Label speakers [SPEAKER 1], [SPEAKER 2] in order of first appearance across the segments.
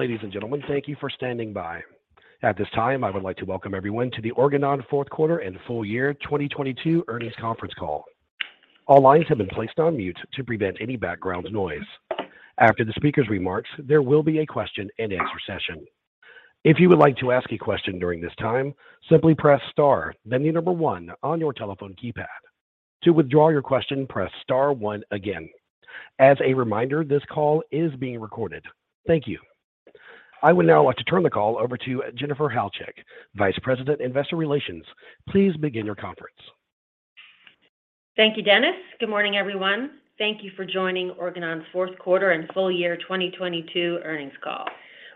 [SPEAKER 1] Ladies and gentlemen, thank you for standing by. At this time, I would like to welcome everyone to the Organon Fourth Quarter and Full Year 2022 Earnings Conference Call. All lines have been placed on mute to prevent any background noise. After the speaker's remarks, there will be a question-and-answer session. If you would like to ask a question during this time, simply press star, then the number one on your telephone keypad. To withdraw your question, press star one again. As a reminder, this call is being recorded. Thank you. I would now like to turn the call over to Jennifer Halchak, Vice President, Investor Relations. Please begin your conference.
[SPEAKER 2] Thank you, Dennis. Good morning, everyone. Thank you for joining Organon's Fourth Quarter and Full Year 2022 Earnings Call.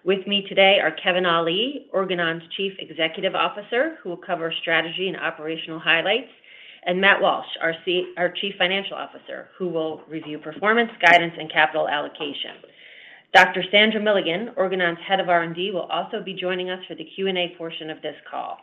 [SPEAKER 2] With me today are Kevin Ali, Organon's Chief Executive Officer, who will cover strategy and operational highlights, and Matt Walsh, our Chief Financial Officer, who will review performance, guidance, and capital allocation. Dr. Sandra Milligan, Organon's Head of R&D, will also be joining us for the Q&A portion of this call.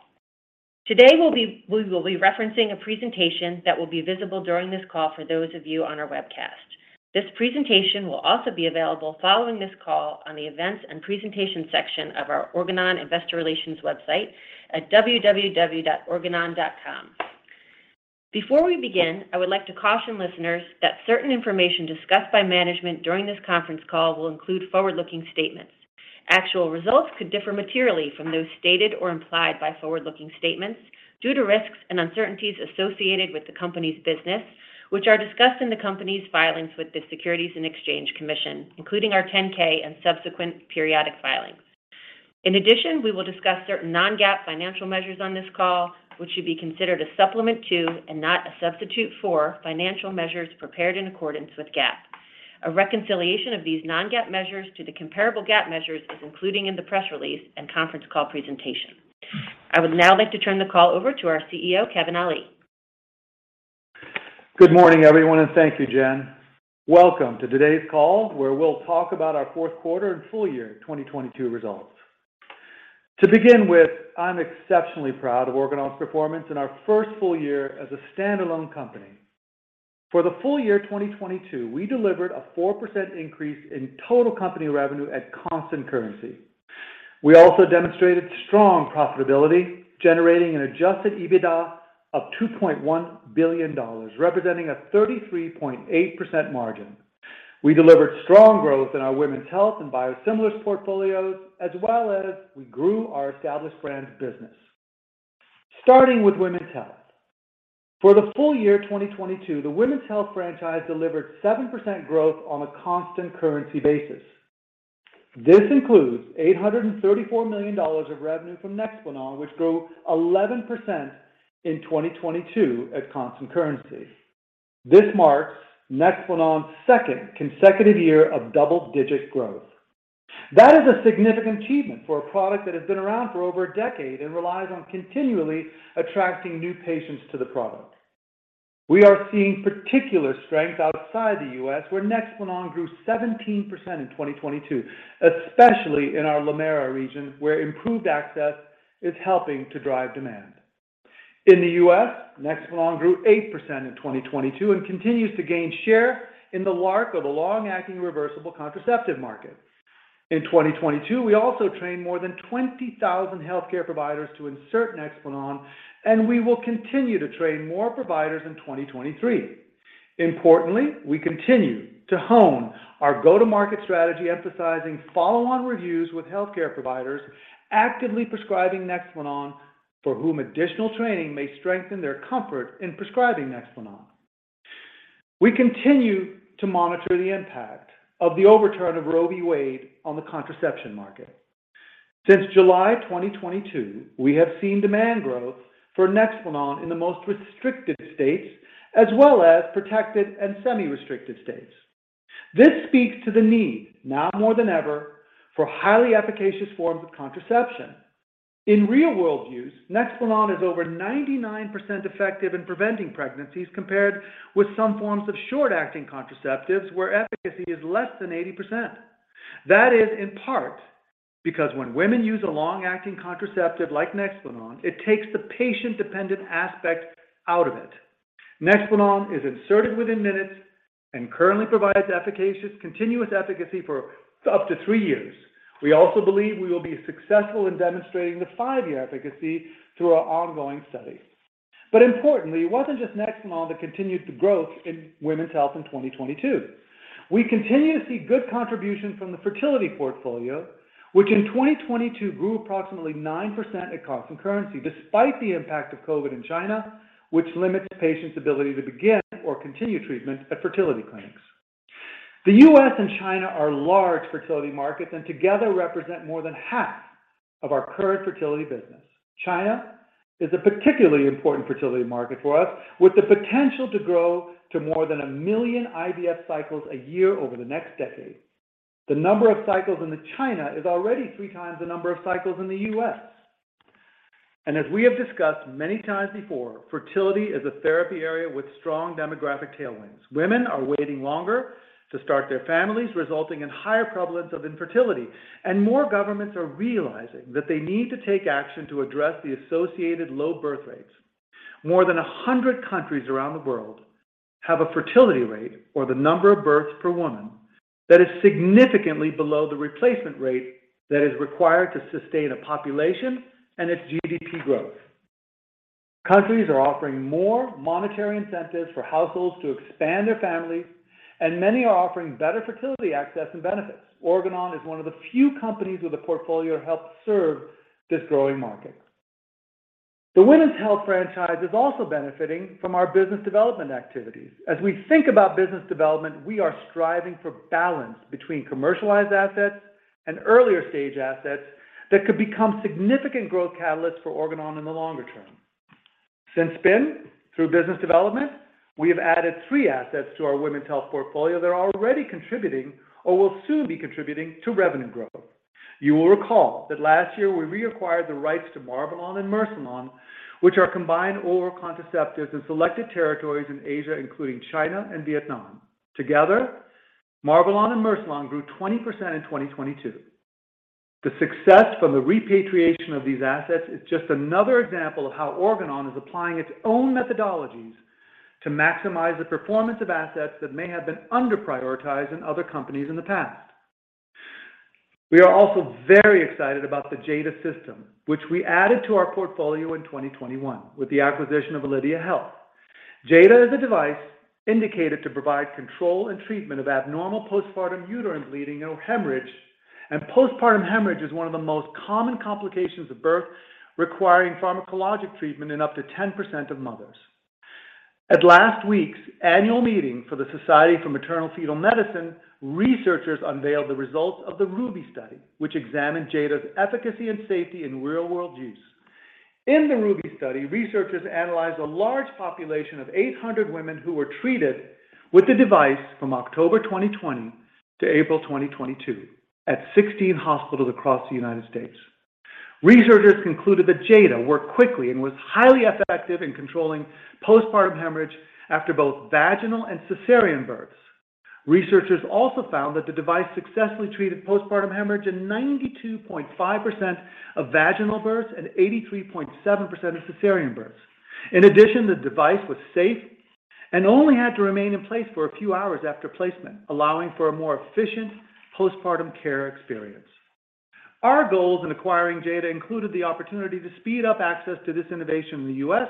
[SPEAKER 2] Today we will be referencing a presentation that will be visible during this call for those of you on our webcast. This presentation will also be available following this call on the Events and Presentation section of our Organon Investor Relations website at www.organon.com. Before we begin, I would like to caution listeners that certain information discussed by management during this conference call will include forward-looking statements. Actual results could differ materially from those stated or implied by forward-looking statements due to risks and uncertainties associated with the company's business, which are discussed in the company's filings with the Securities and Exchange Commission, including our 10-K and subsequent periodic filings. We will discuss certain non-GAAP financial measures on this call, which should be considered a supplement to and not a substitute for financial measures prepared in accordance with GAAP. A reconciliation of these non-GAAP measures to the comparable GAAP measures is included in the press release and conference call presentation. I would now like to turn the call over to our CEO, Kevin Ali.
[SPEAKER 3] Good morning, everyone, and thank you, Jen. Welcome to today's call, where we'll talk about our fourth quarter and full year 2022 results. To begin with, I'm exceptionally proud of Organon's performance in our first full year as a standalone company. For the full year 2022, we delivered a 4% increase in total company revenue at constant currency. We also demonstrated strong profitability, generating an adjusted EBITDA of $2.1 billion, representing a 33.8% margin. We delivered strong growth in our Women's Health and Biosimilars portfolios, as well as we grew our Established Brands business. Starting with Women's Health. For the full year 2022, the Women's Health franchise delivered 7% growth on a constant currency basis. This includes $834 million of revenue from NEXPLANON, which grew 11% in 2022 at constant currency. This marks NEXPLANON's second consecutive year of double-digit growth. That is a significant achievement for a product that has been around for over a decade and relies on continually attracting new patients to the product. We are seeing particular strength outside the U.S., where NEXPLANON grew 17% in 2022, especially in our LATAM region, where improved access is helping to drive demand. In the U.S., NEXPLANON grew 8% in 2022 and continues to gain share in the LARC of the long-acting reversible contraceptive market. In 2022, we also trained more than 20,000 healthcare providers to insert NEXPLANON, and we will continue to train more providers in 2023. Importantly, we continue to hone our go-to-market strategy, emphasizing follow-on reviews with healthcare providers actively prescribing NEXPLANON for whom additional training may strengthen their comfort in prescribing NEXPLANON. We continue to monitor the impact of the overturn of Roe v. Wade on the contraception market. Since July 2022, we have seen demand growth for NEXPLANON in the most restricted states as well as protected and semi-restricted states. This speaks to the need, now more than ever, for highly efficacious forms of contraception. In real-world use, NEXPLANON is over 99% effective in preventing pregnancies compared with some forms of short-acting contraceptives where efficacy is less than 80%. That is in part because when women use a long-acting contraceptive like NEXPLANON, it takes the patient-dependent aspect out of it. NEXPLANON is inserted within minutes and currently provides continuous efficacy for up to three years. We also believe we will be successful in demonstrating the 5-year efficacy through our ongoing study. Importantly, it wasn't just NEXPLANON that continued the growth in women's health in 2022. We continue to see good contribution from the fertility portfolio, which in 2022 grew approximately 9% at constant currency, despite the impact of COVID in China, which limits patients' ability to begin or continue treatment at fertility clinics. The U.S. and China are large fertility markets and together represent more than half of our current fertility business. China is a particularly important fertility market for us, with the potential to grow to more than 1 million IVF cycles a year over the next decade. The number of cycles in China is already three times the number of cycles in the U.S. As we have discussed many times before, fertility is a therapy area with strong demographic tailwinds. Women are waiting longer to start their families, resulting in higher prevalence of infertility, and more governments are realizing that they need to take action to address the associated low birth rates. More than 100 countries around the world have a fertility rate or the number of births per woman that is significantly below the replacement rate that is required to sustain a population and its GDP growth. Countries are offering more monetary incentives for households to expand their families, and many are offering better fertility access and benefits. Organon is one of the few companies with a portfolio to help serve this growing market. The Women's Health franchise is also benefiting from our business development activities. As we think about business development, we are striving for balance between commercialized assets and earlier-stage assets that could become significant growth catalysts for Organon in the longer term. Since then, through business development, we have added three assets to our Women's Health portfolio that are already contributing or will soon be contributing to revenue growth. You will recall that last year we reacquired the rights to Marvelon and Mercilon, which are combined oral contraceptives in selected territories in Asia, including China and Vietnam. Together, Marvelon and Mercilon grew 20% in 2022. The success from the repatriation of these assets is just another example of how Organon is applying its own methodologies to maximize the performance of assets that may have been under prioritized in other companies in the past. We are also very excited about the Jada System, which we added to our portfolio in 2021 with the acquisition of Alydia Health. Jada is a device indicated to provide control and treatment of abnormal postpartum uterine bleeding or hemorrhage. Postpartum hemorrhage is one of the most common complications of birth, requiring pharmacologic treatment in up to 10% of mothers. At last week's annual meeting for the Society for Maternal-Fetal Medicine, researchers unveiled the results of the RUBY study, which examined Jada's efficacy and safety in real-world use. In the RUBY study, researchers analyzed a large population of 800 women who were treated with the device from October 2020 to April 2022 at 16 hospitals across the United States. Researchers concluded that Jada worked quickly and was highly effective in controlling postpartum hemorrhage after both vaginal and cesarean births. Researchers also found that the device successfully treated postpartum hemorrhage in 92.5% of vaginal births and 83.7% of cesarean births. In addition, the device was safe and only had to remain in place for a few hours after placement, allowing for a more efficient postpartum care experience. Our goals in acquiring Jada included the opportunity to speed up access to this innovation in the U.S.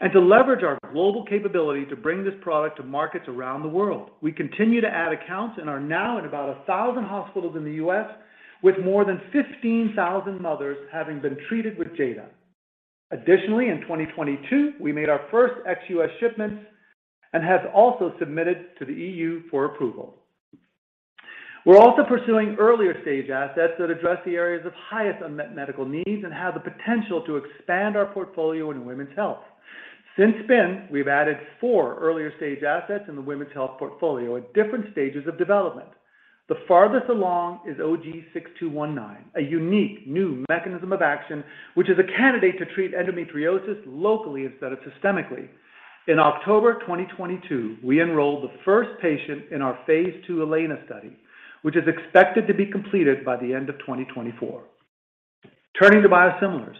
[SPEAKER 3] and to leverage our global capability to bring this product to markets around the world. We continue to add accounts and are now in about 1,000 hospitals in the U.S., with more than 15,000 mothers having been treated with Jada. In 2022, we made our first ex-U.S. shipments and have also submitted to the E.U. for approval. We're also pursuing earlier-stage assets that address the areas of highest unmet medical needs and have the potential to expand our portfolio into Women's Health. We've added four earlier-stage assets in the Women's Health portfolio at different stages of development. The farthest along is OG-6219, a unique new mechanism of action, which is a candidate to treat endometriosis locally instead of systemically. In October 2022, we enrolled the first patient in our phase II ELENA study, which is expected to be completed by the end of 2024. Turning to biosimilars.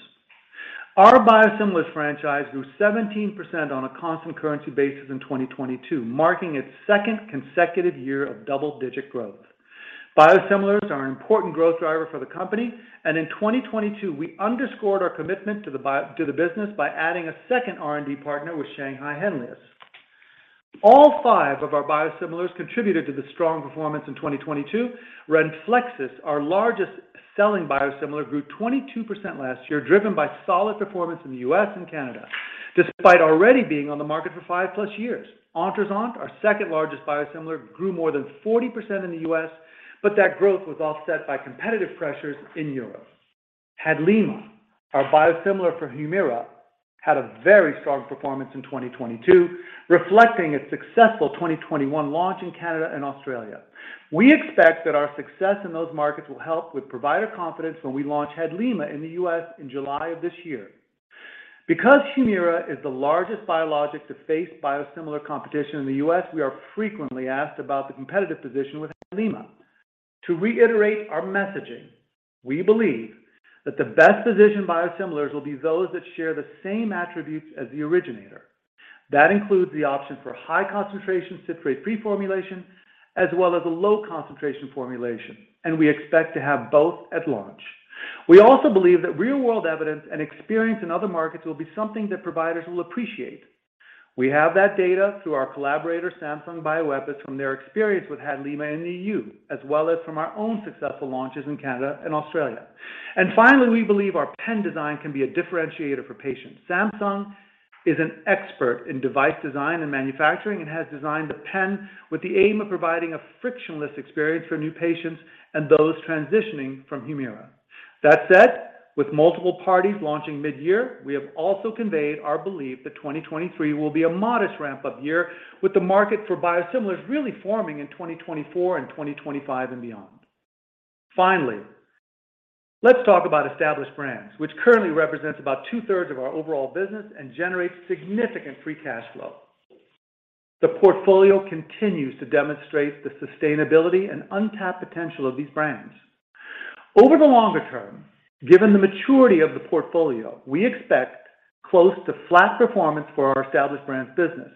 [SPEAKER 3] Our Biosimilars franchise grew 17% on a constant currency basis in 2022, marking its second consecutive year of double-digit growth. Biosimilars are an important growth driver for the company, and in 2022 we underscored our commitment to the business by adding a second R&D partner with Shanghai Henlius. All five of our Biosimilars contributed to the strong performance in 2022. Renflexis, our largest-selling biosimilar, grew 22% last year, driven by solid performance in the U.S. and Canada, despite already being on the market for 5+ years. Ontruzant, our second-largest biosimilar, grew more than 40% in the U.S., that growth was offset by competitive pressures in Europe. Hadlima, our biosimilar for Humira, had a very strong performance in 2022, reflecting its successful 2021 launch in Canada and Australia. We expect that our success in those markets will help with provider confidence when we launch Hadlima in the U.S. in July of this year. Because Humira is the largest biologic to face biosimilar competition in the U.S., we are frequently asked about the competitive position with Hadlima. To reiterate our messaging, we believe that the best-positioned biosimilars will be those that share the same attributes as the originator. That includes the option for high-concentration citrate-free formulation as well as a low-concentration formulation, we expect to have both at launch. We also believe that real-world evidence and experience in other markets will be something that providers will appreciate. We have that data through our collaborator, Samsung Bioepis, from their experience with Hadlima in the EU, as well as from our own successful launches in Canada and Australia. Finally, we believe our pen design can be a differentiator for patients. Samsung is an expert in device design and manufacturing and has designed a pen with the aim of providing a frictionless experience for new patients and those transitioning from Humira. That said, with multiple parties launching mid-year, we have also conveyed our belief that 2023 will be a modest ramp-up year, with the market for Biosimilars really forming in 2024 and 2025 and beyond. Finally, let's talk about Established Brands, which currently represents about two-thirds of our overall business and generates significant free cash flow. The portfolio continues to demonstrate the sustainability and untapped potential of these brands. Over the longer term, given the maturity of the portfolio, we expect close to flat performance for our Established Brands business.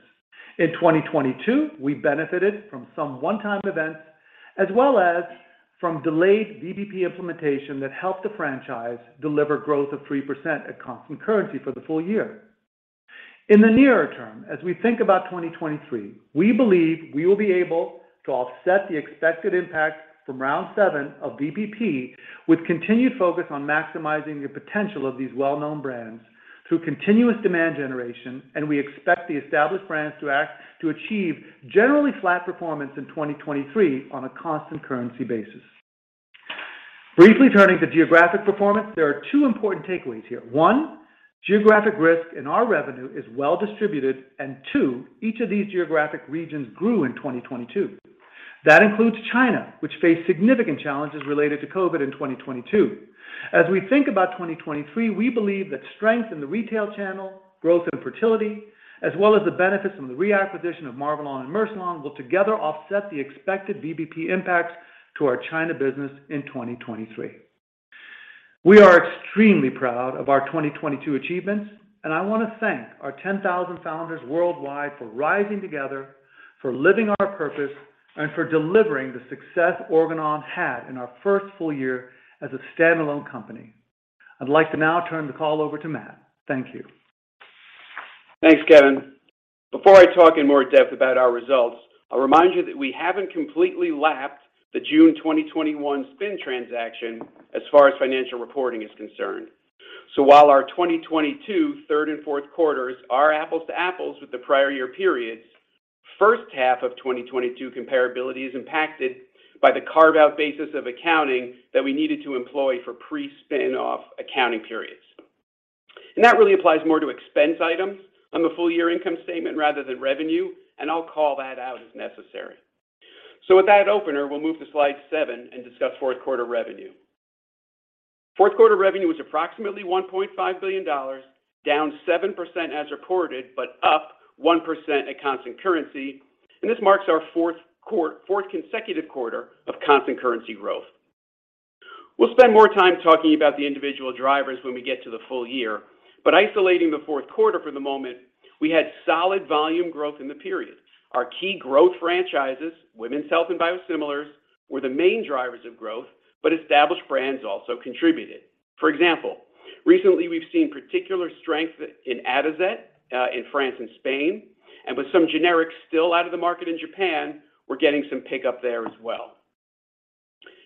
[SPEAKER 3] In 2022, we benefited from some one-time events, as well as from delayed VBP implementation that helped the franchise deliver growth of 3% at constant currency for the full year. In the nearer term, as we think about 2023, we believe we will be able to offset the expected impact from round seven of VBP with continued focus on maximizing the potential of these well-known brands through continuous demand generation. We expect the Established Brands to achieve generally flat performance in 2023 on a constant currency basis. Briefly turning to geographic performance, there are two important takeaways here. One, geographic risk in our revenue is well-distributed, and two, each of these geographic regions grew in 2022. That includes China, which faced significant challenges related to COVID in 2022. As we think about 2023, we believe that strength in the retail channel, growth in fertility, as well as the benefits from the reacquisition of Marvelon and Mercilon will together offset the expected VBP impacts to our China business in 2023. We are extremely proud of our 2022 achievements, and I wanna thank our 10,000 founders worldwide for rising together, for living our purpose, and for delivering the success Organon had in our first full year as a standalone company. I'd like to now turn the call over to Matt. Thank you.
[SPEAKER 4] Thanks, Kevin. Before I talk in more depth about our results, I'll remind you that we haven't completely lapped the June 2021 spin transaction as far as financial reporting is concerned. While our 2022 third and fourth quarters are apples to apples with the prior year periods, first half of 2022 comparability is impacted by the carve-out basis of accounting that we needed to employ for pre-spin off accounting periods. That really applies more to expense items on the full year income statement rather than revenue, and I'll call that out as necessary. With that opener, we'll move to slide 7 and discuss fourth quarter revenue. Fourth quarter revenue was approximately $1.5 billion, down 7% as reported, but up 1% at constant currency. This marks our fourth consecutive quarter of constant currency growth. We'll spend more time talking about the individual drivers when we get to the full year, but isolating the fourth quarter for the moment, we had solid volume growth in the period. Our key growth franchises, Women's Health and Biosimilars, were the main drivers of growth, but Established Brands also contributed. For example, recently, we've seen particular strength in Atozet in France and Spain, and with some generics still out of the market in Japan, we're getting some pickup there as well.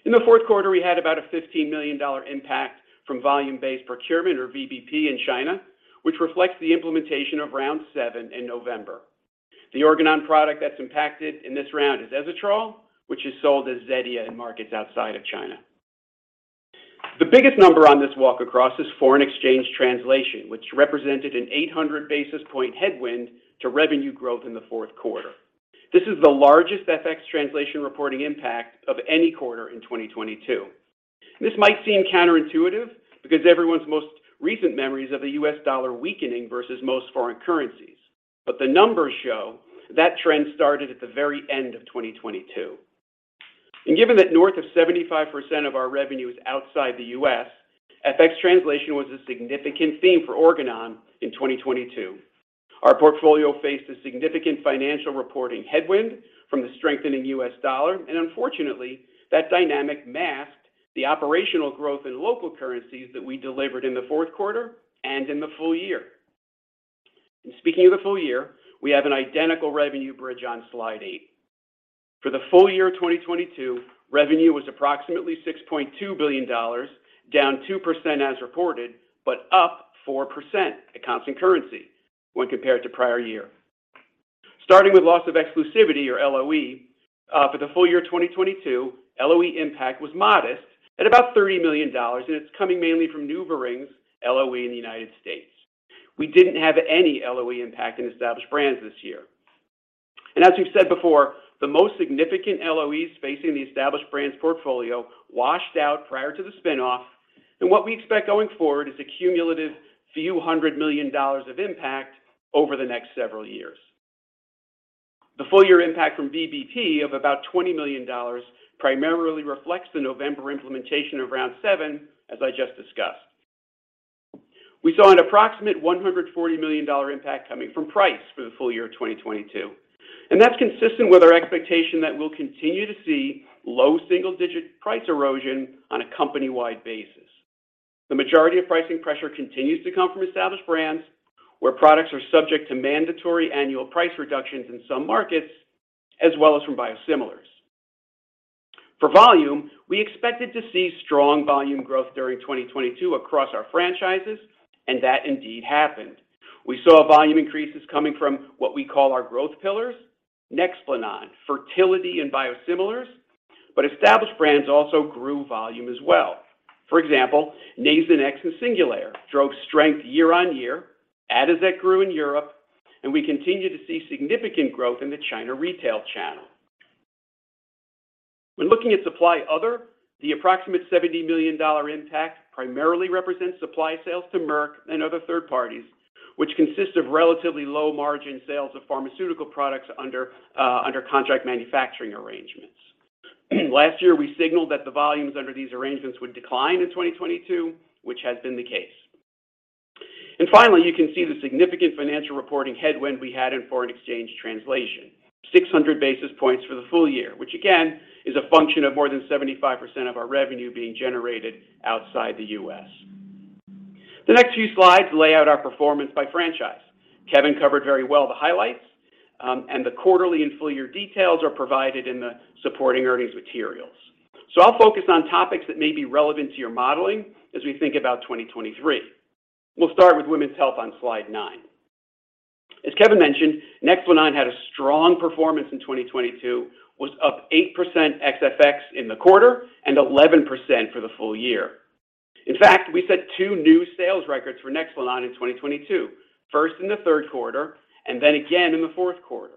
[SPEAKER 4] In the fourth quarter, we had about a $15 million impact from Volume-Based Procurement or VBP in China, which reflects the implementation of round seven in November. The Organon product that's impacted in this round is Ezetrol, which is sold as Zetia in markets outside of China. The biggest number on this walk across is foreign exchange translation, which represented an 800 basis point headwind to revenue growth in the fourth quarter. This is the largest FX translation reporting impact of any quarter in 2022. This might seem counterintuitive because everyone's most recent memory is of the U.S. dollar weakening versus most foreign currencies. The numbers show that trend started at the very end of 2022. Given that north of 75% of our revenue is outside the U.S., FX translation was a significant theme for Organon in 2022. Our portfolio faced a significant financial reporting headwind from the strengthening U.S. dollar, and unfortunately, that dynamic masked the operational growth in local currencies that we delivered in the fourth quarter and in the full year. Speaking of the full year, we have an identical revenue bridge on slide 8. For the full year of 2022, revenue was approximately $6.2 billion, down 2% as reported, but up 4% at constant currency when compared to prior year. Starting with loss of exclusivity or LOE, for the full year 2022, LOE impact was modest at about $30 million, and it's coming mainly from NEXPLANON's LOE in the United States. We didn't have any LOE impact in Established Brands this year. As we've said before, the most significant LOEs facing the Established Brands portfolio washed out prior to the spin-off, and what we expect going forward is a cumulative few hundred million dollars of impact over the next several years. The full year impact from VBP of about $20 million primarily reflects the November implementation of round seven, as I just discussed. We saw an approximate $140 million impact coming from price for the full year of 2022, that's consistent with our expectation that we'll continue to see low single-digit price erosion on a company-wide basis. The majority of pricing pressure continues to come from Established Brands, where products are subject to mandatory annual price reductions in some markets, as well as from biosimilars. For volume, we expected to see strong volume growth during 2022 across our franchises, that indeed happened. We saw volume increases coming from what we call our growth pillars, NEXPLANON, fertility, and biosimilars, Established Brands also grew volume as well. For example, Nasonex and Singulair drove strength year-on-year, Atozet grew in Europe, we continue to see significant growth in the China retail channel. When looking at supply other, the approximate $70 million impact primarily represents supply sales to Merck and other third parties, which consists of relatively low margin sales of pharmaceutical products under contract manufacturing arrangements. Last year, we signaled that the volumes under these arrangements would decline in 2022, which has been the case. Finally, you can see the significant financial reporting headwind we had in foreign exchange translation, 600 basis points for the full year, which again is a function of more than 75% of our revenue being generated outside the U.S. The next few slides lay out our performance by franchise. Kevin covered very well the highlights, and the quarterly and full year details are provided in the supporting earnings materials. I'll focus on topics that may be relevant to your modeling as we think about 2023. We'll start with Women's Health on slide 9. As Kevin mentioned, NEXPLANON had a strong performance in 2022, was up 8% ex FX in the quarter and 11% for the full year. In fact, we set two new sales records for NEXPLANON in 2022, first in the third quarter and then again in the fourth quarter.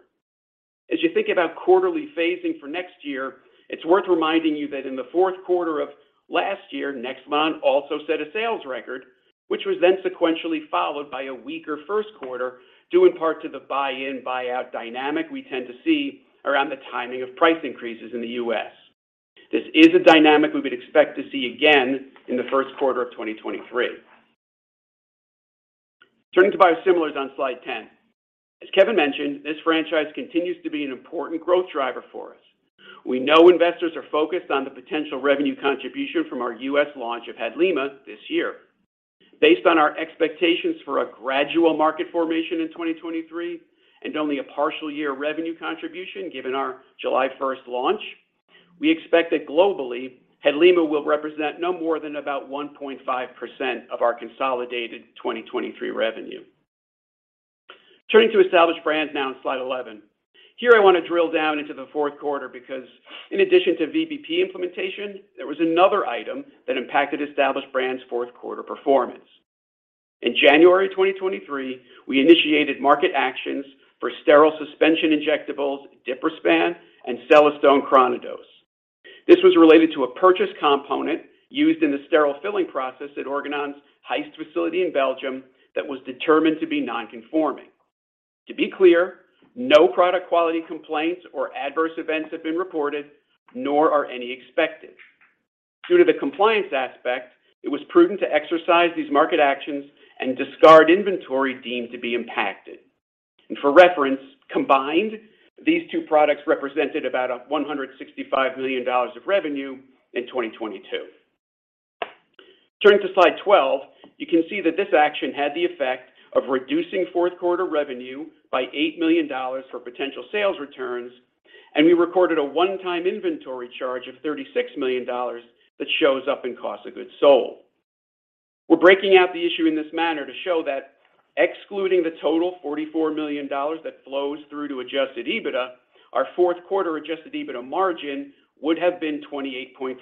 [SPEAKER 4] As you think about quarterly phasing for next year, it's worth reminding you that in the fourth quarter of last year, NEXPLANON also set a sales record, which was then sequentially followed by a weaker first quarter, due in part to the buy in, buy out dynamic we tend to see around the timing of price increases in the U.S. This is a dynamic we would expect to see again in the first quarter of 2023. Turning to Biosimilars on slide 10. As Kevin mentioned, this franchise continues to be an important growth driver for us. We know investors are focused on the potential revenue contribution from our U.S. launch of Hadlima this year. Based on our expectations for a gradual market formation in 2023 and only a partial year revenue contribution, given our July 1st launch, we expect that globally, Hadlima will represent no more than about 1.5% of our consolidated 2023 revenue. Turning to Established Brands now on slide 11. Here I want to drill down into the fourth quarter because in addition to VBP implementation, there was another item that impacted Established Brands' fourth quarter performance. In January 2023, we initiated market actions for sterile suspension injectables Diprospan and Celestone Chronodose. This was related to a purchase component used in the sterile filling process at Organon's Heist facility in Belgium that was determined to be non-conforming. To be clear, no product quality complaints or adverse events have been reported, nor are any expected. Due to the compliance aspect, it was prudent to exercise these market actions and discard inventory deemed to be impacted. For reference, combined, these two products represented about $165 million of revenue in 2022. Turning to slide 12, you can see that this action had the effect of reducing fourth quarter revenue by $8 million for potential sales returns. We recorded a one-time inventory charge of $36 million that shows up in cost of goods sold. We're breaking out the issue in this manner to show that excluding the total $44 million that flows through to adjusted EBITDA, our fourth quarter adjusted EBITDA margin would have been 28.4%.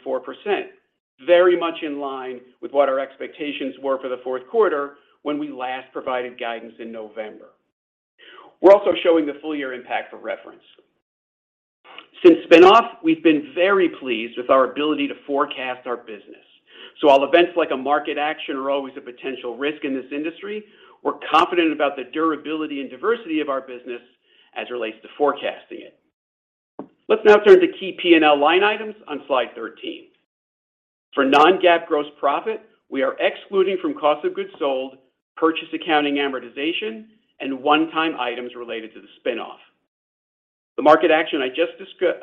[SPEAKER 4] Very much in line with what our expectations were for the fourth quarter when we last provided guidance in November. We're also showing the full year impact for reference. Since spin-off, we've been very pleased with our ability to forecast our business. While events like a market action are always a potential risk in this industry, we're confident about the durability and diversity of our business as it relates to forecasting it. Let's now turn to key P&L line items on slide 13. For non-GAAP gross profit, we are excluding from cost of goods sold, purchase accounting amortization, and one-time items related to the spin-off. The market action I just discussed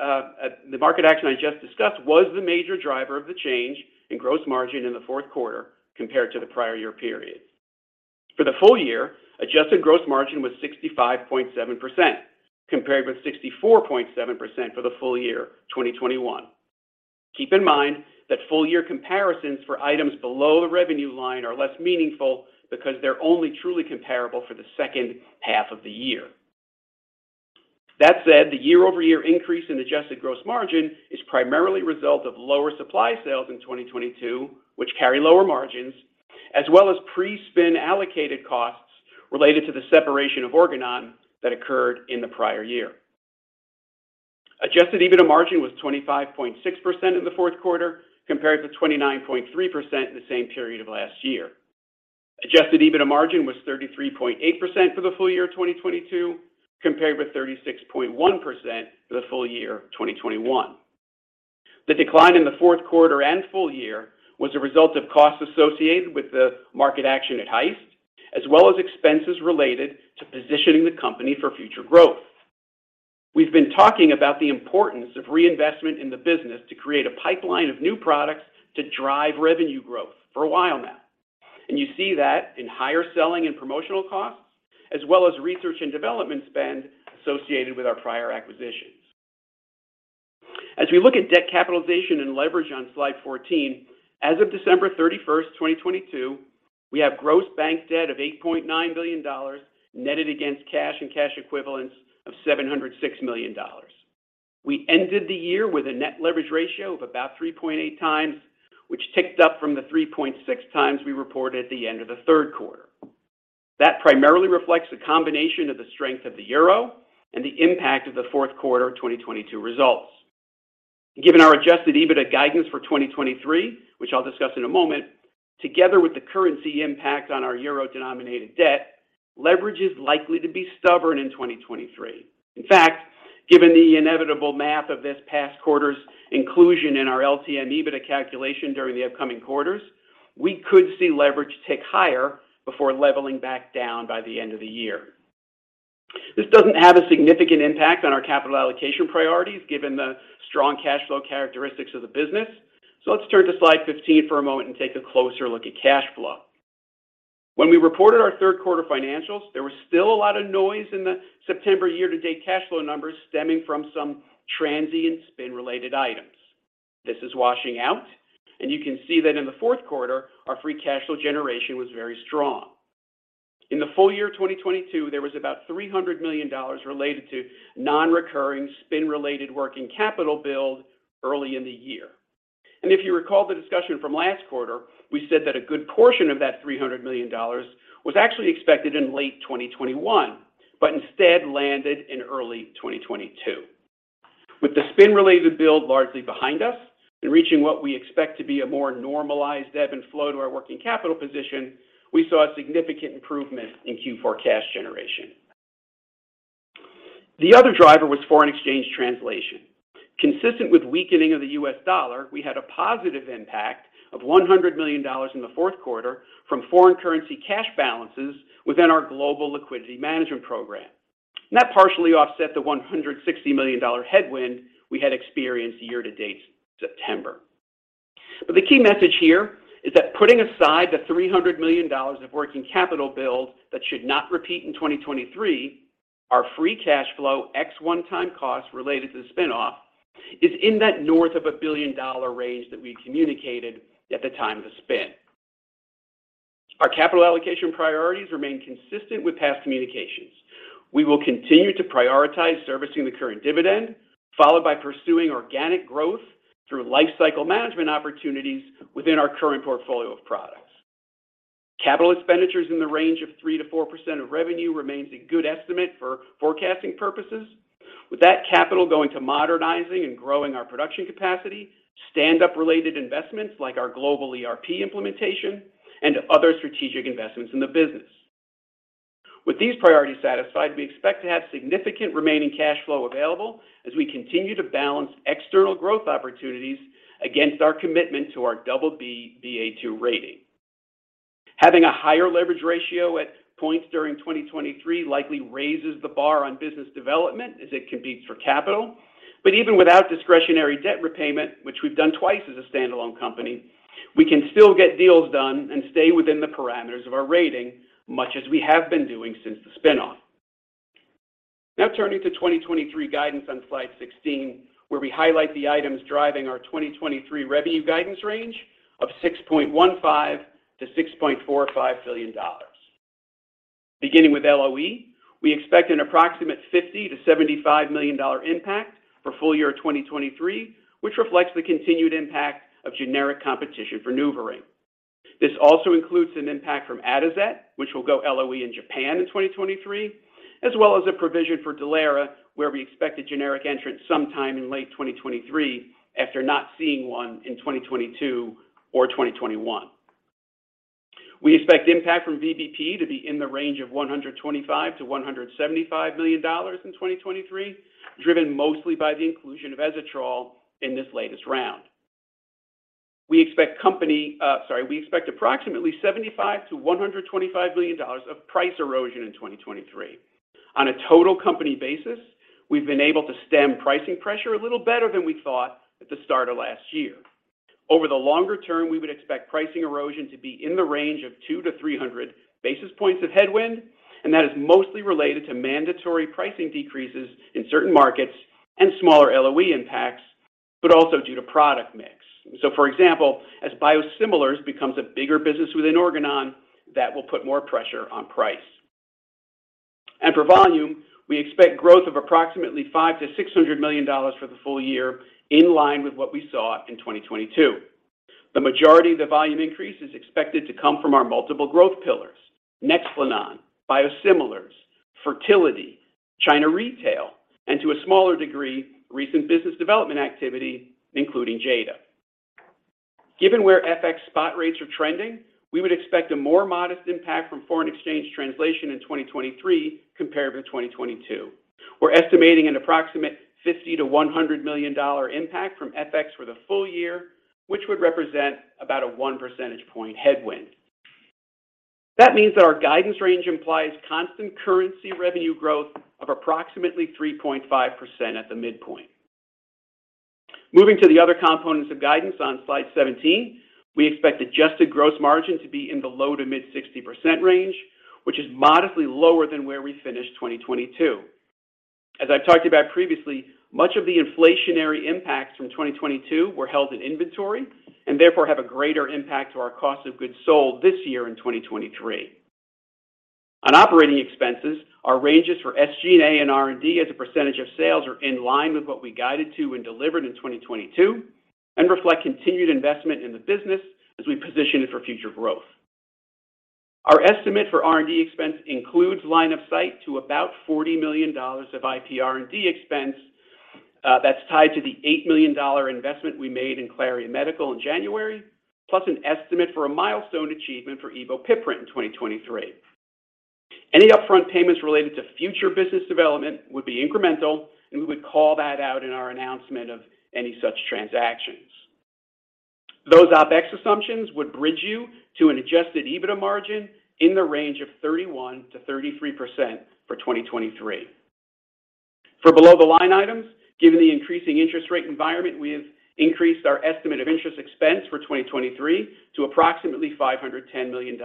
[SPEAKER 4] was the major driver of the change in gross margin in the fourth quarter compared to the prior year period. For the full year, adjusted gross margin was 65.7%, compared with 64.7% for the full year 2021. Keep in mind that full year comparisons for items below the revenue line are less meaningful because they're only truly comparable for the second half of the year. That said, the year-over-year increase in adjusted gross margin is primarily a result of lower supply sales in 2022, which carry lower margins, as well as pre-spin allocated costs related to the separation of Organon that occurred in the prior year. Adjusted EBITDA margin was 25.6% in the fourth quarter, compared with 29.3% in the same period of last year. Adjusted EBITDA margin was 33.8% for the full year of 2022, compared with 36.1% for the full year of 2021. The decline in the fourth quarter and full year was a result of costs associated with the market action at Heist, as well as expenses related to positioning the company for future growth. We've been talking about the importance of reinvestment in the business to create a pipeline of new products to drive revenue growth for a while now, and you see that in higher selling and promotional costs, as well as research and development spend associated with our prior acquisitions. As we look at debt capitalization and leverage on slide 14, as of December 31, 2022, we have gross bank debt of $8.9 billion netted against cash and cash equivalents of $706 million. We ended the year with a net leverage ratio of about 3.8 times, which ticked up from the 3.6 times we reported at the end of the third quarter. That primarily reflects the combination of the strength of the euro and the impact of the fourth quarter of 2022 results. Given our adjusted EBITDA guidance for 2023, which I'll discuss in a moment, together with the currency impact on our euro-denominated debt, leverage is likely to be stubborn in 2023. In fact, given the inevitable math of this past quarter's inclusion in our LTM EBITDA calculation during the upcoming quarters, we could see leverage tick higher before leveling back down by the end of the year. This doesn't have a significant impact on our capital allocation priorities, given the strong cash flow characteristics of the business. Let's turn to slide 15 for a moment and take a closer look at cash flow. When we reported our third quarter financials, there was still a lot of noise in the September year-to-date cash flow numbers stemming from some transient spin-related items. This is washing out, and you can see that in the fourth quarter, our free cash flow generation was very strong. In the full year of 2022, there was about $300 million related to non-recurring spin-related working capital build early in the year. If you recall the discussion from last quarter, we said that a good portion of that $300 million was actually expected in late 2021, but instead landed in early 2022. With the spin-related build largely behind us and reaching what we expect to be a more normalized ebb and flow to our working capital position, we saw a significant improvement in Q4 cash generation. The other driver was foreign exchange translation. Consistent with weakening of the U.S. dollar, we had a positive impact of $100 million in the fourth quarter from foreign currency cash balances within our global liquidity management program. That partially offset the $160 million headwind we had experienced year-to-date September. The key message here is that putting aside the $300 million of working capital build that should not repeat in 2023, our free cash flow ex one-time costs related to the spin-off is in that north of a billion-dollar range that we communicated at the time of the spin. Our capital allocation priorities remain consistent with past communications. We will continue to prioritize servicing the current dividend, followed by pursuing organic growth through life cycle management opportunities within our current portfolio of products. Capital expenditures in the range of 3%-4% of revenue remains a good estimate for forecasting purposes, with that capital going to modernizing and growing our production capacity, stand-up related investments like our global ERP implementation, and other strategic investments in the business. With these priorities satisfied, we expect to have significant remaining cash flow available as we continue to balance external growth opportunities against our commitment to our BB/Ba2 rating. Having a higher leverage ratio at points during 2023 likely raises the bar on business development as it competes for capital. Even without discretionary debt repayment, which we've done twice as a standalone company, we can still get deals done and stay within the parameters of our rating, much as we have been doing since the spin-off. Turning to 2023 guidance on slide 16, where we highlight the items driving our 2023 revenue guidance range of $6.15 billion-$6.45 billion. Beginning with LOE, we expect an approximate $50 million-$75 million impact for full year 2023, which reflects the continued impact of generic competition for NuvaRing. This also includes an impact from Atozet, which will go LOE in Japan in 2023, as well as a provision for Dulera, where we expect a generic entrance sometime in late 2023 after not seeing one in 2022 or 2021. We expect impact from VBP to be in the range of $125 million-$175 million in 2023, driven mostly by the inclusion of Ezetrol in this latest round. We expect company, sorry, we expect approximately $75 million-$125 million of price erosion in 2023. On a total company basis, we've been able to stem pricing pressure a little better than we thought at the start of last year. Over the longer term, we would expect pricing erosion to be in the range of 200-300 basis points of headwind, and that is mostly related to mandatory pricing decreases in certain markets and smaller LOE impacts, but also due to product mix. For example, as Biosimilars becomes a bigger business within Organon, that will put more pressure on price. For volume, we expect growth of approximately $500 million-$600 million for the full year, in line with what we saw in 2022. The majority of the volume increase is expected to come from our multiple growth pillars, NEXPLANON, biosimilars, fertility, China retail, and to a smaller degree, recent business development activity, including Jada System. Given where FX spot rates are trending, we would expect a more modest impact from foreign exchange translation in 2023 compared with 2022. We're estimating an approximate $50 million-$100 million impact from FX for the full year, which would represent about a 1 percentage point headwind. That means that our guidance range implies constant currency revenue growth of approximately 3.5% at the midpoint. Moving to the other components of guidance on slide 17, we expect adjusted gross margin to be in the low to mid 60% range, which is modestly lower than where we finished 2022. As I talked about previously, much of the inflationary impacts from 2022 were held in inventory and therefore have a greater impact to our Cost of Goods Sold this year in 2023. On operating expenses, our ranges for SG&A and R&D as a percentage of sales are in line with what we guided to and delivered in 2022 and reflect continued investment in the business as we position it for future growth.
[SPEAKER 3] Our estimate for R&D expense includes line of sight to about $40 million of IP R&D expense, that's tied to the $8 million investment we made in Clarix Imaging in January, plus an estimate for a milestone achievement for ebopiprant in 2023. Any upfront payments related to future business development would be incremental, and we would call that out in our announcement of any such transactions. Those OpEx assumptions would bridge you to an adjusted EBITDA margin in the range of 31%-33% for 2023. For below-the-line items, given the increasing interest rate environment, we have increased our estimate of interest expense for 2023 to approximately $510 million.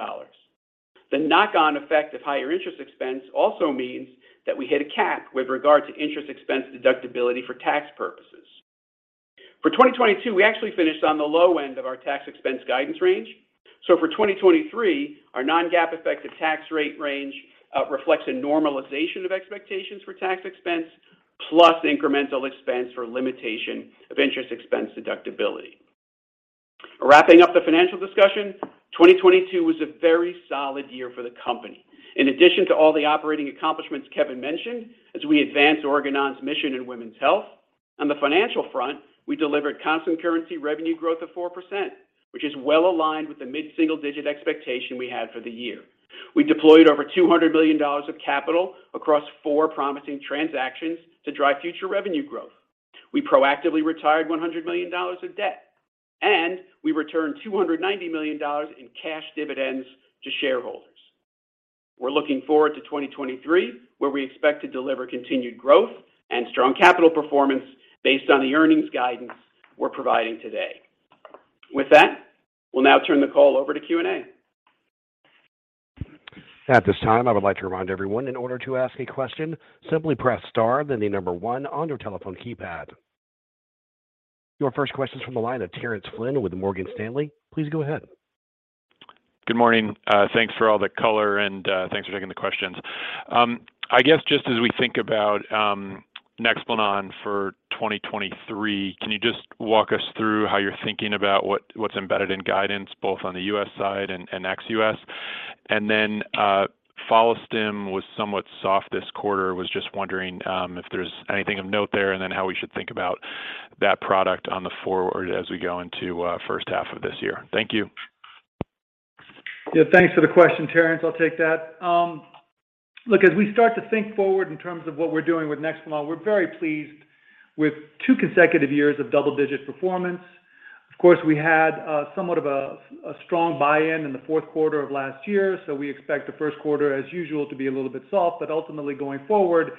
[SPEAKER 3] The knock-on effect of higher interest expense also means that we hit a cap with regard to interest expense deductibility for tax purposes. For 2022, we actually finished on the low end of our tax expense guidance range. For 2023, our non-GAAP effective tax rate range reflects a normalization of expectations for tax expense, plus incremental expense for limitation of interest expense deductibility. Wrapping up the financial discussion, 2022 was a very solid year for the company. In addition to all the operating accomplishments Kevin mentioned, as we advance Organon's mission in Women's Health, on the financial front, we delivered constant currency revenue growth of 4%, which is well aligned with the mid-single digit expectation we had for the year. We deployed over $200 million of capital across four promising transactions to drive future revenue growth. We proactively retired $100 million of debt, and we returned $290 million in cash dividends to shareholders. We're looking forward to 2023, where we expect to deliver continued growth and strong capital performance based on the earnings guidance we're providing today. With that, we'll now turn the call over to Q&A.
[SPEAKER 1] At this time, I would like to remind everyone, in order to ask a question, simply press star, then the number one on your telephone keypad. Your first question is from the line of Terence Flynn with Morgan Stanley. Please go ahead.
[SPEAKER 5] Good morning. Thanks for all the color, and thanks for taking the questions. I guess just as we think about NEXPLANON for 2023, can you just walk us through how you're thinking about what's embedded in guidance, both on the U.S. side and ex-U.S.? Follistim was somewhat soft this quarter. Was just wondering if there's anything of note there, how we should think about that product on the forward as we go into first half of this year. Thank you.
[SPEAKER 3] Yeah, thanks for the question, Terence. I'll take that. Look, as we start to think forward in terms of what we're doing with NEXPLANON, we're very pleased with two consecutive years of double-digit performance. Of course, we had somewhat of a strong buy-in in the fourth quarter of last year, so we expect the first quarter as usual to be a little bit soft. Ultimately, going forward,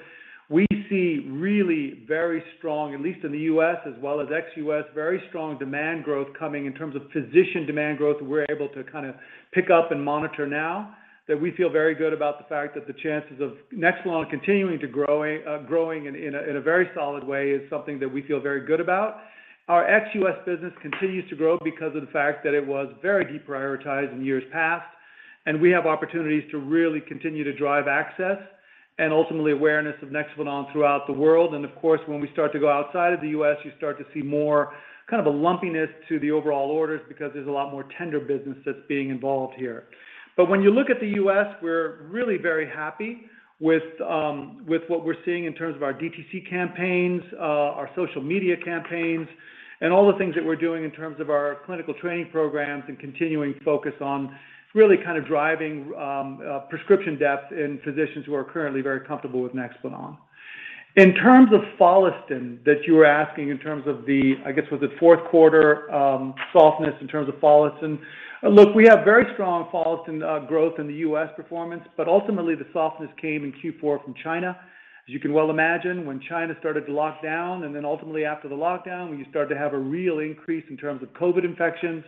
[SPEAKER 3] we see really very strong, at least in the U.S. as well as ex-U.S., very strong demand growth coming in terms of physician demand growth we're able to kind of pick up and monitor now, that we feel very good about the fact that the chances of NEXPLANON continuing to growing in a very solid way is something that we feel very good about. Our ex-U.S. business continues to grow because of the fact that it was very deprioritized in years past. We have opportunities to really continue to drive access and ultimately awareness of NEXPLANON throughout the world. Of course, when we start to go outside of the U.S., you start to see more kind of a lumpiness to the overall orders because there's a lot more tender business that's being involved here. When you look at the U.S., we're really very happy with what we're seeing in terms of our DTC campaigns, our social media campaigns, and all the things that we're doing in terms of our clinical training programs and continuing focus on really kind of driving prescription depth in physicians who are currently very comfortable with NEXPLANON. In terms of Follistim that you were asking in terms of the, I guess, was it fourth quarter softness in terms of Follistim. Look, we have very strong Follistim growth in the U.S. performance, but ultimately the softness came in Q4 from China. As you can well imagine, when China started to lock down, and then ultimately after the lockdown, when you start to have a real increase in terms of COVID infections,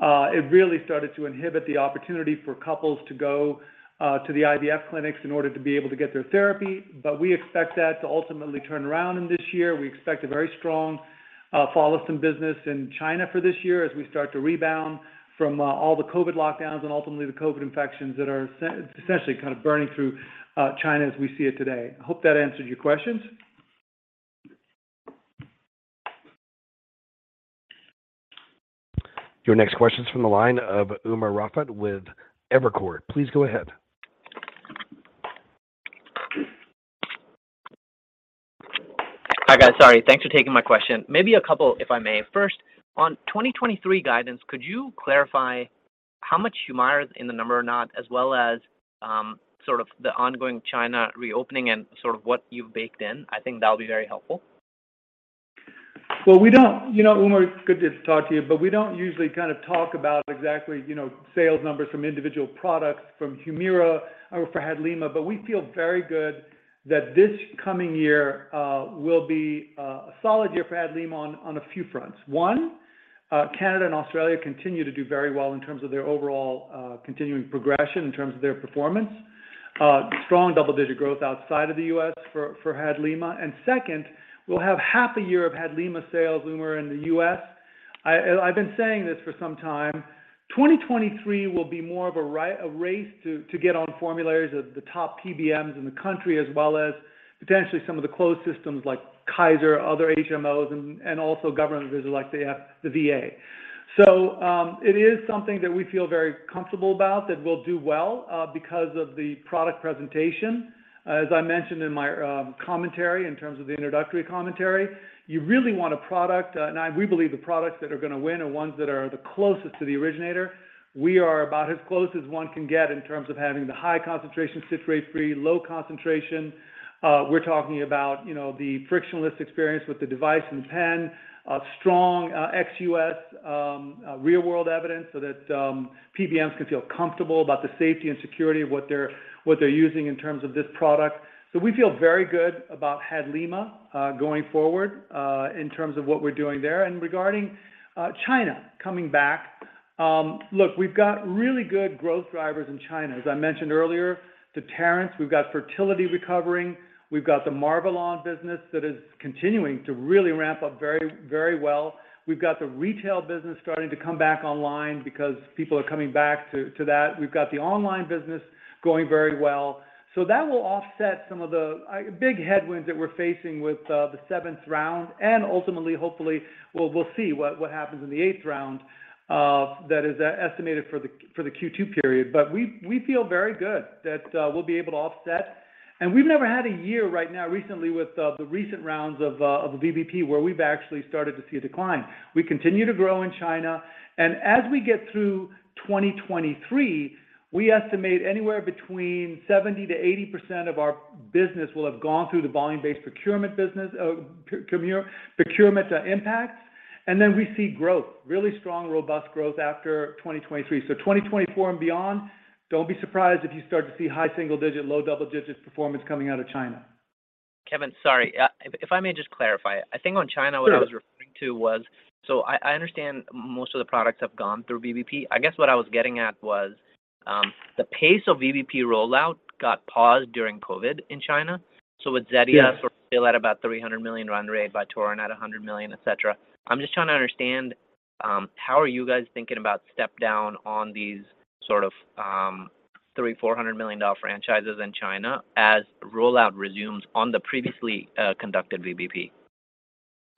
[SPEAKER 3] it really started to inhibit the opportunity for couples to go to the IVF clinics in order to be able to get their therapy. We expect that to ultimately turn around in this year. We expect a very strong Follistim business in China for this year as we start to rebound from all the COVID lockdowns and ultimately the COVID infections that are essentially kind of burning through China as we see it today. Hope that answered your questions.
[SPEAKER 1] Your next question is from the line of Umer Raffat with Evercore. Please go ahead.
[SPEAKER 6] Hi, guys. Sorry. Thanks for taking my question. Maybe a couple, if I may. First, on 2023 guidance, could you clarify how much Humira is in the number or not, as well as, sort of the ongoing China reopening and sort of what you've baked in? I think that'll be very helpful.
[SPEAKER 3] Well, we don't, you know, Umer, good to talk to you, but we don't usually kind of talk about exactly, you know, sales numbers from individual products from Humira or for Hadlima, but we feel very good that this coming year will be a solid year for Hadlima on a few fronts. One, Canada and Australia continue to do very well in terms of their overall continuing progression in terms of their performance. Strong double-digit growth outside of the U.S. for Hadlima. Second, we'll have half a year of Hadlima sales, Umer, in the U.S. I've been saying this for some time. 2023 will be more of a a race to get on formularies of the top PBMs in the country, as well as potentially some of the closed systems like Kaiser, other HMOs and also government visits like the VA. It is something that we feel very comfortable about that will do well, because of the product presentation. As I mentioned in my commentary in terms of the introductory commentary, you really want a product, and we believe the products that are going to win are ones that are the closest to the originator. We are about as close as one can get in terms of having the high concentration citrate-free, low concentration. We're talking about, you know, the frictionless experience with the device and pen, strong ex-US real-world evidence so that PBMs can feel comfortable about the safety and security of what they're using in terms of this product. We feel very good about Hadlima going forward in terms of what we're doing there. Regarding China coming back, look, we've got really good growth drivers in China. As I mentioned earlier to Terrence, we've got fertility recovering, we've got the Marvelon business that is continuing to really ramp up very, very well. We've got the retail business starting to come back online because people are coming back to that. We've got the online business going very well. That will offset some of the big headwinds that we're facing with the seventh round. Ultimately, hopefully, we'll see what happens in the eighth round that is estimated for the Q2 period. We feel very good that we'll be able to offset. We've never had a year right now recently with the recent rounds of the VBP where we've actually started to see a decline. We continue to grow in China. As we get through 2023, we estimate anywhere between 70%-80% of our business will have gone through the volume-based procurement business, procurement impact. Then we see growth, really strong, robust growth after 2023. 2024 and beyond, don't be surprised if you start to see high single-digit, low double-digit performance coming out of China.
[SPEAKER 6] Kevin, sorry. if I may just clarify. I think on China-.
[SPEAKER 3] Sure.
[SPEAKER 6] What I was referring to was. I understand most of the products have gone through VBP. I guess what I was getting at was, the pace of VBP rollout got paused during COVID in China.
[SPEAKER 3] Yeah.
[SPEAKER 6] With Zetia sort of still at about $300 million run rate, Vytorin at $100 million, et cetera. I'm just trying to understand, how are you guys thinking about step down on these sort of, $300 million-$400 million franchises in China as rollout resumes on the previously, conducted VBP?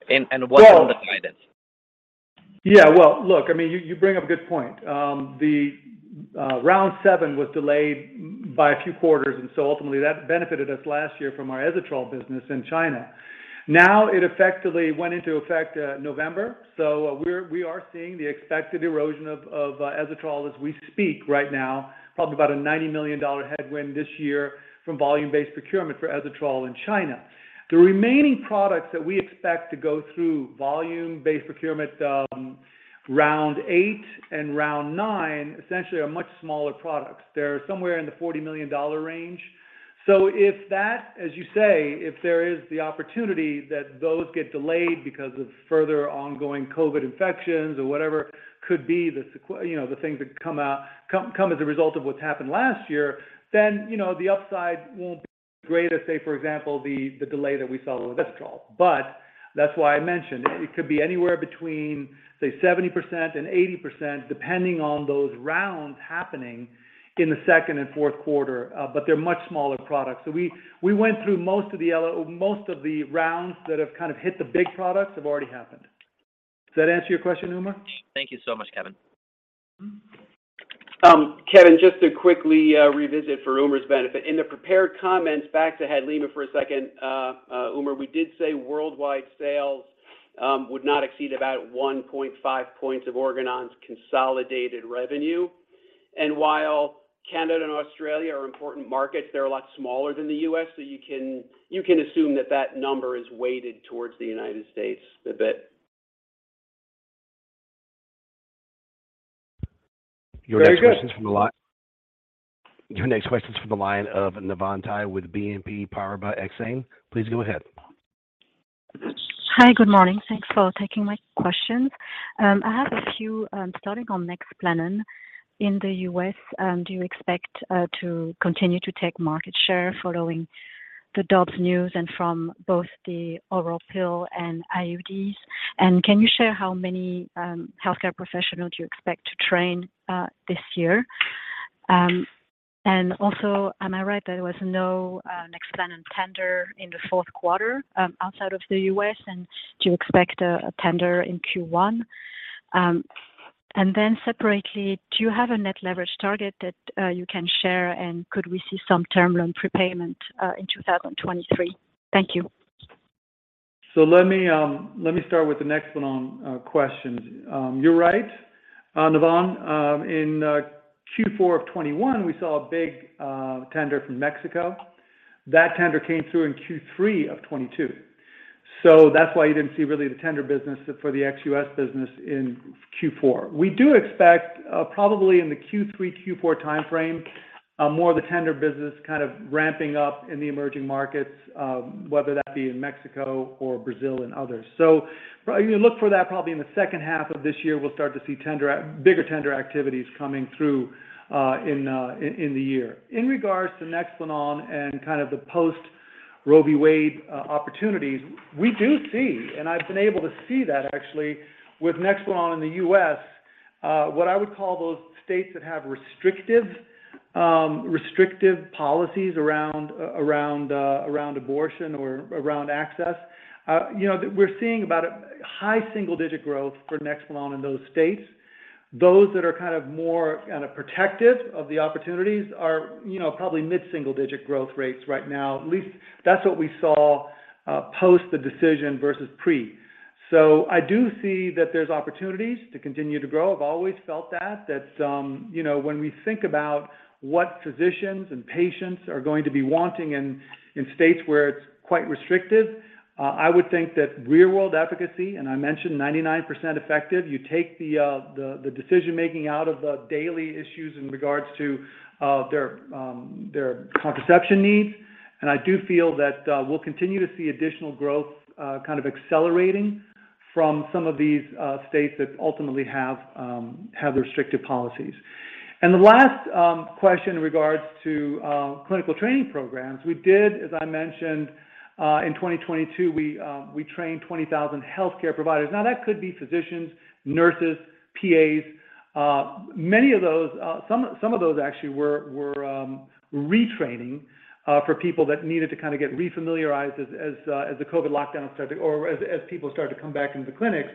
[SPEAKER 6] What's going to drive this?
[SPEAKER 3] Well, yeah. Well, look, I mean, you bring up a good point. The round seven was delayed by a few quarters. Ultimately, that benefited us last year from our Atozet business in China. It effectively went into effect, November. We are seeing the expected erosion of Atozet as we speak right now, probably about a $90 million headwind this year from volume-based procurement for Atozet in China. The remaining products that we expect to go through volume-based procurement, round eight and round nine, essentially are much smaller products. They're somewhere in the $40 million range. If that, as you say, if there is the opportunity that those get delayed because of further ongoing COVID infections or whatever could be the you know, the things that come out, come as a result of what's happened last year, then, you know, the upside won't be as great as say, for example, the delay that we saw with Atozet. That's why I mentioned it could be anywhere between, say, 70% and 80%, depending on those rounds happening in the second and fourth quarter. They're much smaller products. We went through most of the most of the rounds that have kind of hit the big products have already happened. Does that answer your question, Umer?
[SPEAKER 6] Thank you so much, Kevin.
[SPEAKER 3] Mm-hmm.
[SPEAKER 4] Kevin, just to quickly revisit for Umer's benefit. In the prepared comments back to Hadlima for a second, Umer, we did say worldwide sales would not exceed about 1.5 points of Organon's consolidated revenue. While Canada and Australia are important markets, they're a lot smaller than the U.S., so you can assume that that number is weighted towards the United States a bit.
[SPEAKER 3] Very good.
[SPEAKER 1] Your next question is from the line of Navann Ty with BNP Paribas Exane. Please go ahead.
[SPEAKER 7] Hi. Good morning. Thanks for taking my questions. I have a few, starting on NEXPLANON in the U.S. Do you expect to continue to take market share following the Dobbs news and from both the oral pill and IUDs? Can you share how many healthcare professionals you expect to train this year? Am I right there was no NEXPLANON tender in the fourth quarter outside of the U.S., and do you expect a tender in Q1? Separately, do you have a net leverage target that you can share, and could we see some term loan prepayment in 2023? Thank you.
[SPEAKER 3] Let me start with the NEXPLANON questions. You're right, Navann. In Q4 of 2021, we saw a big tender from Mexico. That tender came through in Q3 of 2022. That's why you didn't see really the tender business for the ex-U.S. business in Q4. We do expect, probably in the Q3, Q4 timeframe, more of the tender business kind of ramping up in the emerging markets, whether that be in Mexico or Brazil and others. You look for that probably in the second half of this year, we'll start to see bigger tender activities coming through in the year. In regards to NEXPLANON and kind of the post Roe v. Wade opportunities, we do see, and I've been able to see that actually with NEXPLANON in the U.S. What I would call those states that have restrictive policies around abortion or around access, you know, we're seeing about a high single-digit growth for NEXPLANON in those states. Those that are kind of more, protective of the opportunities are, you know, probably mid-single digit growth rates right now. At least that's what we saw, post the decision versus pre. I do see that there's opportunities to continue to grow. I've always felt that, you know, when we think about what physicians and patients are going to be wanting in states where it's quite restrictive, I would think that real-world efficacy, and I mentioned 99% effective, you take the decision-making out of the daily issues in regards to their contraception needs. I do feel that we'll continue to see additional growth, kind of accelerating from some of these states that ultimately have restrictive policies. The last question in regards to clinical training programs, we did, as I mentioned, in 2022, we trained 20,000 healthcare providers. Now that could be physicians, nurses, PAs. Many of those actually were retraining for people that needed to kind of get refamiliarized as the COVID lockdown started or as people started to come back into the clinics.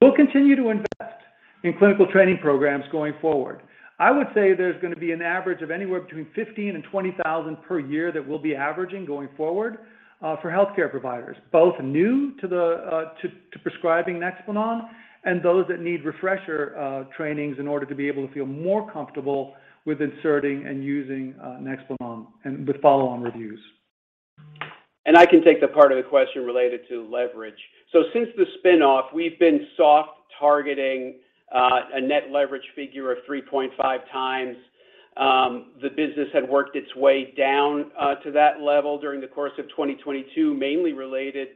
[SPEAKER 3] We'll continue to invest in clinical training programs going forward. I would say there's going to be an average of anywhere between 15 and 20,000 per year that we'll be averaging going forward for healthcare providers, both new to prescribing NEXPLANON and those that need refresher trainings in order to be able to feel more comfortable with inserting and using NEXPLANON and with follow-on reviews.
[SPEAKER 4] I can take the part of the question related to leverage. Since the spin-off, we've been soft targeting a net leverage figure of 3.5x. The business had worked its way down to that level during the course of 2022, mainly related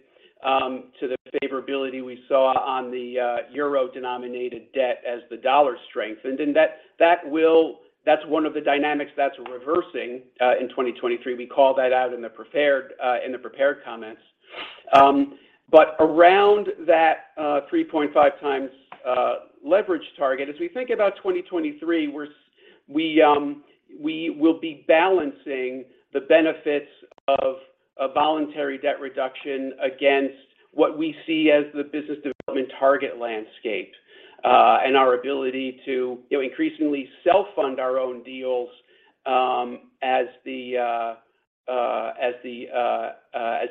[SPEAKER 4] to the favorability we saw on the EUR-denominated debt as the U.S. dollar strengthened. That's one of the dynamics that's reversing in 2023. We call that out in the prepared comments. Around that 3.5 times leverage target, as we think about 2023, we will be balancing the benefits of a voluntary debt reduction against what we see as the business development target landscape, and our ability to, you know, increasingly self-fund our own deals, as the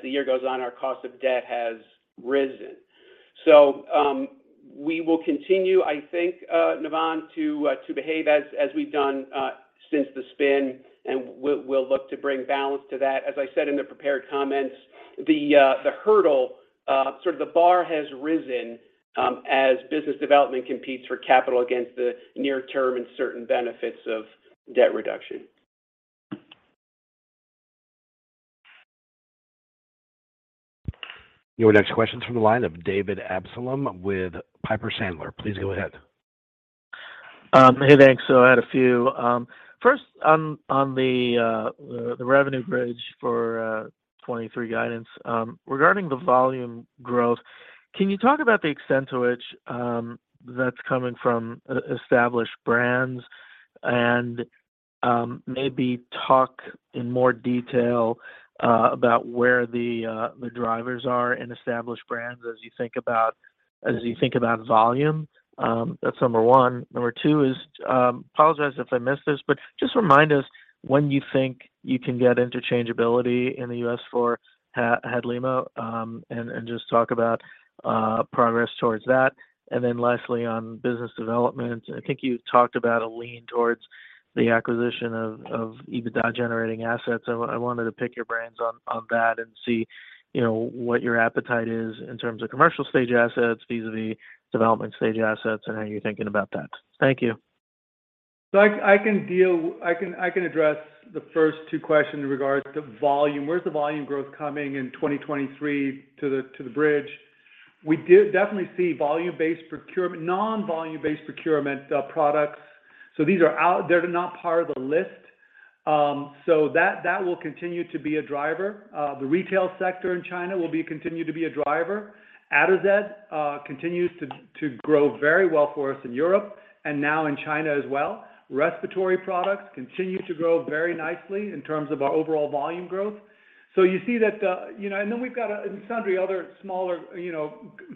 [SPEAKER 4] year goes on, our cost of debt has risen. We will continue, I think, Navann, to behave as we've done since the spin, and we'll look to bring balance to that. As I said in the prepared comments, the hurdle, sort of the bar has risen, as business development competes for capital against the near term and certain benefits of debt reduction.
[SPEAKER 1] Your next question's from the line of David Amsellem with Piper Sandler. Please go ahead.
[SPEAKER 8] Hey, thanks. First on the revenue bridge for 2023 guidance, regarding the volume growth, can you talk about the extent to which that's coming from Established Brands and maybe talk in more detail about where the drivers are in Established Brands as you think about volume? That's number one. Number two is, apologize if I missed this, but just remind us when you think you can get interchangeability in the U.S. for Hadlima, and just talk about progress towards that. Lastly, on business development, I think you talked about a lean towards the acquisition of EBITDA-generating assets. I wanted to pick your brains on that and see, you know, what your appetite is in terms of commercial stage assets vis-à-vis development stage assets and how you're thinking about that. Thank you.
[SPEAKER 3] I can address the first two questions in regards to volume. Where's the volume growth coming in 2023 to the, to the bridge? We did definitely see non-volume-based procurement products. These are out, they're not part of the list. That will continue to be a driver. The retail sector in China will continue to be a driver. Atozet continues to grow very well for us in Europe and now in China as well. Respiratory products continue to grow very nicely in terms of our overall volume growth. You see that, you know. Then we've got a sundry other smaller, you know,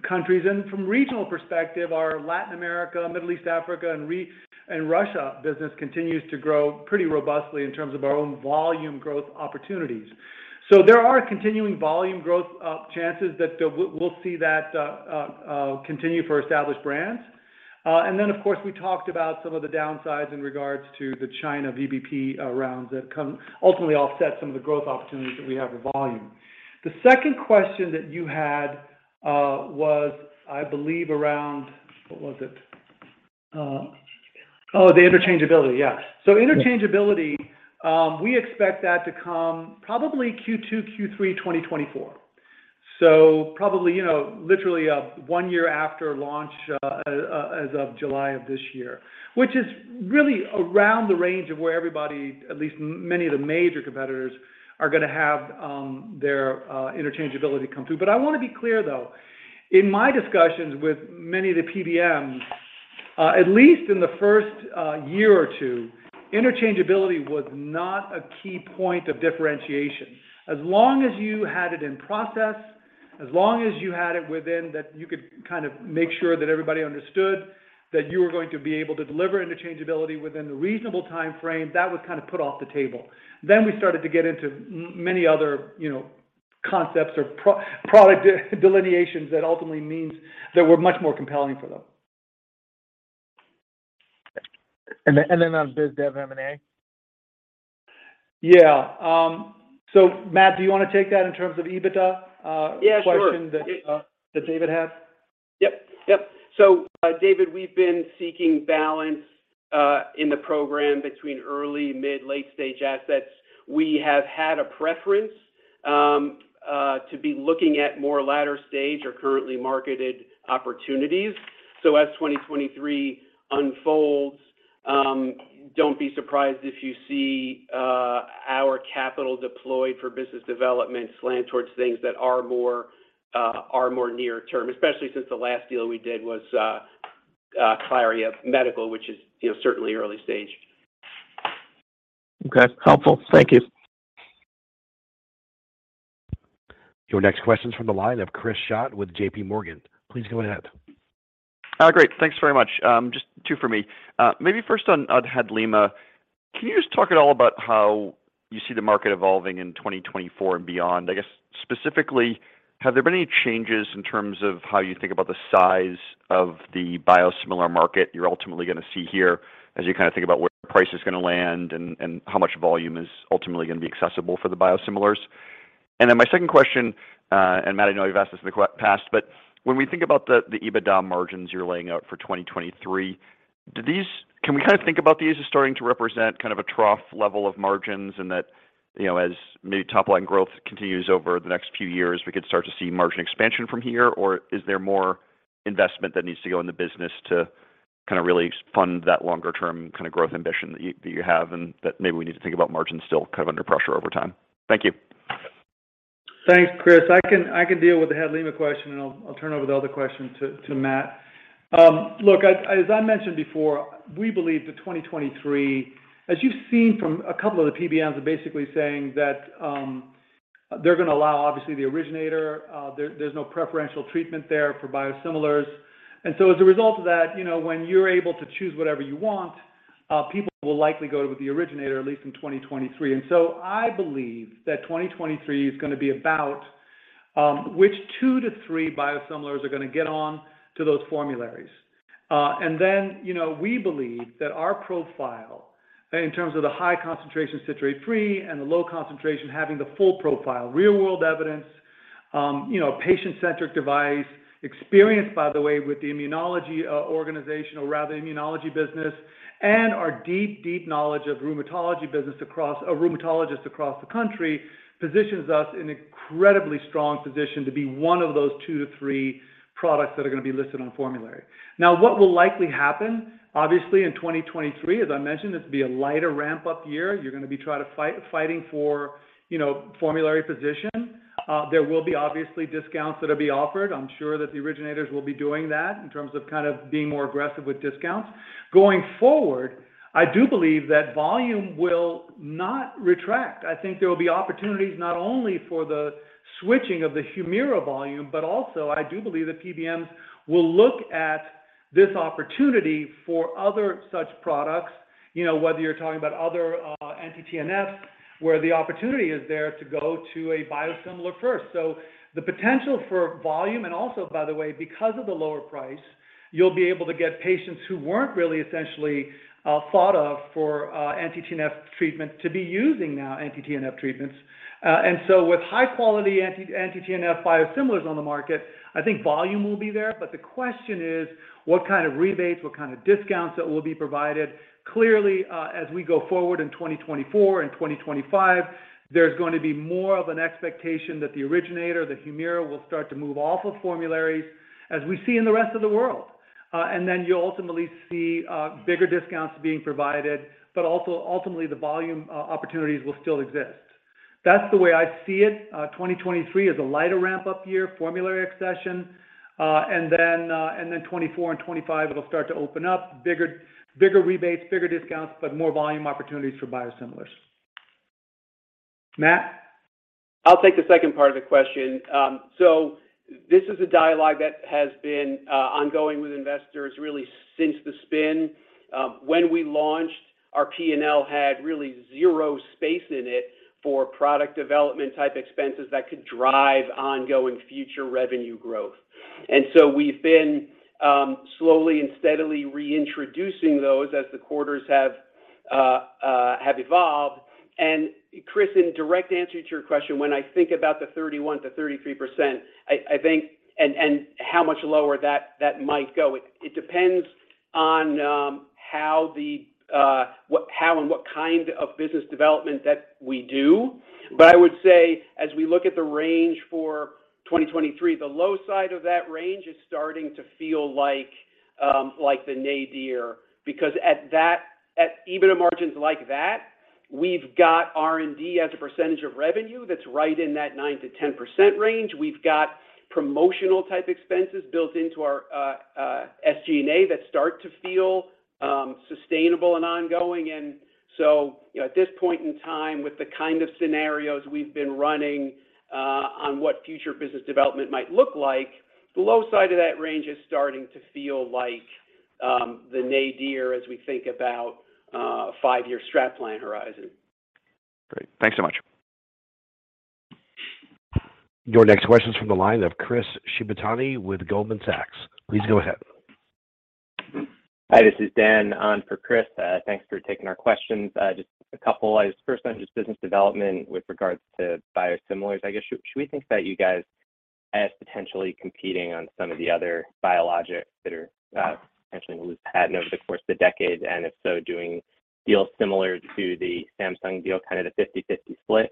[SPEAKER 3] countries. From regional perspective, our Latin America, Middle East, Africa, and Russia business continues to grow pretty robustly in terms of our own volume growth opportunities. There are continuing volume growth chances that we'll see that continue for Established Brands. Of course, we talked about some of the downsides in regards to the China VBP rounds that ultimately offset some of the growth opportunities that we have with volume. The second question that you had was I believe around... What was it?
[SPEAKER 4] Interchangeability.
[SPEAKER 3] Oh, the interchangeability. Yeah.
[SPEAKER 8] Yeah.
[SPEAKER 3] Interchangeability, we expect that to come probably Q2, Q3 2024. Probably, you know, literally, one year after launch, as of July of this year, which is really around the range of where everybody, at least many of the major competitors, are gonna have their interchangeability come through. I wanna be clear, though. In my discussions with many of the PBMs. At least in the first year or two, interchangeability was not a key point of differentiation. As long as you had it in process, as long as you had it within that you could kind of make sure that everybody understood that you were going to be able to deliver interchangeability within a reasonable time frame, that was kind of put off the table. We started to get into many other, you know, concepts or product delineations that ultimately means that were much more compelling for them.
[SPEAKER 8] On biz dev M&A?
[SPEAKER 3] Yeah. Matt, do you want to take that in terms of EBITDA.
[SPEAKER 4] Yeah, sure....
[SPEAKER 3] question that David had?
[SPEAKER 4] Yep. Yep. David, we've been seeking balance in the program between early, mid, late stage assets. We have had a preference to be looking at more latter stage or currently marketed opportunities. As 2023 unfolds, don't be surprised if you see our capital deployed for business development slant towards things that are more near term, especially since the last deal we did was Clarix Imaging, which is, you know, certainly early stage.
[SPEAKER 8] Okay. Helpful. Thank you.
[SPEAKER 1] Your next question's from the line of Chris Schott with JPMorgan. Please go ahead.
[SPEAKER 9] Great. Thanks very much. Just two for me. Maybe first on Hadlima. Can you just talk at all about how you see the market evolving in 2024 and beyond? I guess specifically, have there been any changes in terms of how you think about the size of the biosimilar market you're ultimately going to see here as you kind of think about where price is going to land and how much volume is ultimately going to be accessible for the biosimilars? My second question, and Matt, I know you've asked this in the past, but when we think about the EBITDA margins you're laying out for 2023, can we kind of think about these as starting to represent kind of a trough level of margins and that, you know, as maybe top line growth continues over the next few years, we could start to see margin expansion from here? Or is there more investment that needs to go in the business to kinda really fund that longer term kinda growth ambition that you have and that maybe we need to think about margins still kind of under pressure over time? Thank you.
[SPEAKER 3] Thanks, Chris. I can deal with the Hadlima question, and I'll turn over the other question to Matt. Look, as I mentioned before, we believe that 2023, as you've seen from a couple of the PBMs are basically saying that they're gonna allow obviously the originator. There's no preferential treatment there for biosimilars. As a result of that, you know, when you're able to choose whatever you want, people will likely go with the originator at least in 2023. I believe that 2023 is gonna be about which two to three biosimilars are gonna get on to those formularies. You know, we believe that our profile in terms of the high concentration citrate-free and the low concentration having the full profile, real world evidence, you know, patient-centric device, experience by the way with the immunology business, and our deep, deep knowledge of rheumatologists across the country, positions us in incredibly strong position to be one of those two to three products that are gonna be listed on the formulary. What will likely happen, obviously in 2023, as I mentioned, this will be a lighter ramp-up year. You're gonna be fighting for, you know, formulary position. There will be obviously discounts that'll be offered. I'm sure that the originators will be doing that in terms of kind of being more aggressive with discounts. Going forward, I do believe that volume will not retract. I think there will be opportunities not only for the switching of the Humira volume, but also I do believe that PBMs will look at this opportunity for other such products, you know, whether you're talking about other anti-TNFs, where the opportunity is there to go to a biosimilar first. The potential for volume, and also, by the way, because of the lower price, you'll be able to get patients who weren't really essentially thought of for anti-TNF treatment to be using now anti-TNF treatments. With high quality anti-TNF biosimilars on the market, I think volume will be there. The question is what kind of rebates, what kind of discounts that will be provided? Clearly, as we go forward in 2024 and 2025, there's going to be more of an expectation that the originator, the Humira, will start to move off of formularies as we see in the rest of the world. Then you'll ultimately see bigger discounts being provided, but also ultimately the volume opportunities will still exist. That's the way I see it. 2023 is a lighter ramp-up year, formulary accession. Then 2024 and 2025, it'll start to open up bigger rebates, bigger discounts, but more volume opportunities for biosimilars. Matt?
[SPEAKER 4] I'll take the second part of the question. This is a dialogue that has been ongoing with investors really since the spin. When we launched, our P&L had really zero space in it for product development type expenses that could drive ongoing future revenue growth. We've been slowly and steadily reintroducing those as the quarters have evolved. Chris, in direct answer to your question, when I think about the 31%-33%, I think and how much lower that might go, it depends on how the how and what kind of business development that we do. I would say as we look at the range for 2023, the low side of that range is starting to feel like the nadir because at EBITDA margins like that. We've got R&D as a percentage of revenue that's right in that 9%-10% range. We've got promotional type expenses built into our SG&A that start to feel sustainable and ongoing. You know, at this point in time with the kind of scenarios we've been running on what future business development might look like, the low side of that range is starting to feel like the nadir as we think about a 5-year strat plan horizon.
[SPEAKER 9] Great. Thanks so much.
[SPEAKER 1] Your next question is from the line of Chris Shibutani with Goldman Sachs. Please go ahead.
[SPEAKER 10] Hi, this is Dan on for Chris. Thanks for taking our questions. Just a couple. First on just business development with regards to biosimilars. I guess, should we think about you guys as potentially competing on some of the other biologics that are potentially gonna lose patent over the course of the decade? If so, doing deals similar to the Samsung deal, kind of the 50/50 split?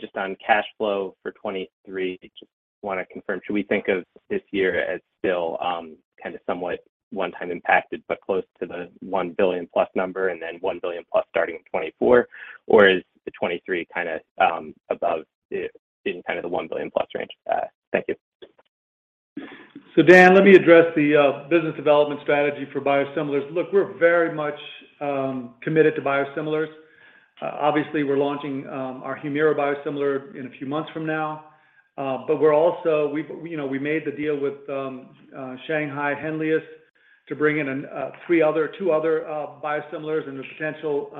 [SPEAKER 10] Just on cash flow for 2023, just wanna confirm, should we think of this year as still, kinda somewhat one-time impacted, but close to the $1 billion-plus number and then $1 billion plus starting in 2024? Is the 2023 kinda in kind of the $1 billion-plus range? Thank you.
[SPEAKER 3] Dan, let me address the business development strategy for biosimilars. We're very much committed to biosimilars. Obviously, we're launching our Humira biosimilar in a few months from now. You know, we made the deal with Shanghai Henlius to bring in two other biosimilars and the potential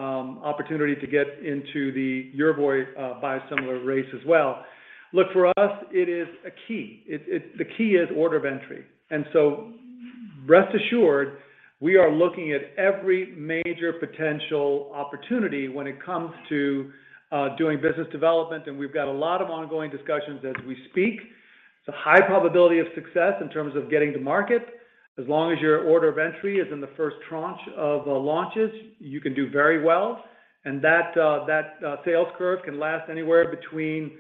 [SPEAKER 3] opportunity to get into the Yervoy biosimilar race as well. For us, it is a key. The key is order of entry. Rest assured, we are looking at every major potential opportunity when it comes to doing business development, and we've got a lot of ongoing discussions as we speak. It's a high probability of success in terms of getting to market. As long as your order of entry is in the first tranche of the launches, you can do very well. That sales curve can last anywhere between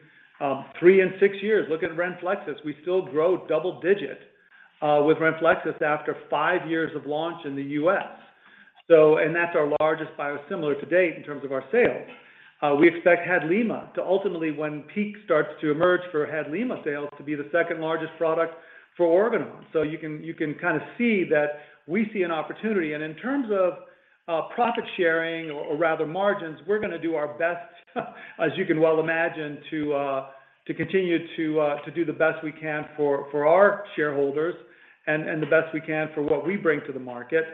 [SPEAKER 3] three and six years. Look at Renflexis. We still grow double digit with Renflexis after five years of launch in the U.S. That's our largest biosimilar to date in terms of our sales. We expect Hadlima to ultimately, when peak starts to emerge for Hadlima sales, to be the second-largest product for Organon. You can kinda see that we see an opportunity. In terms of profit sharing or rather margins, we're gonna do our best, as you can well imagine, to continue to do the best we can for our shareholders and the best we can for what we bring to the market.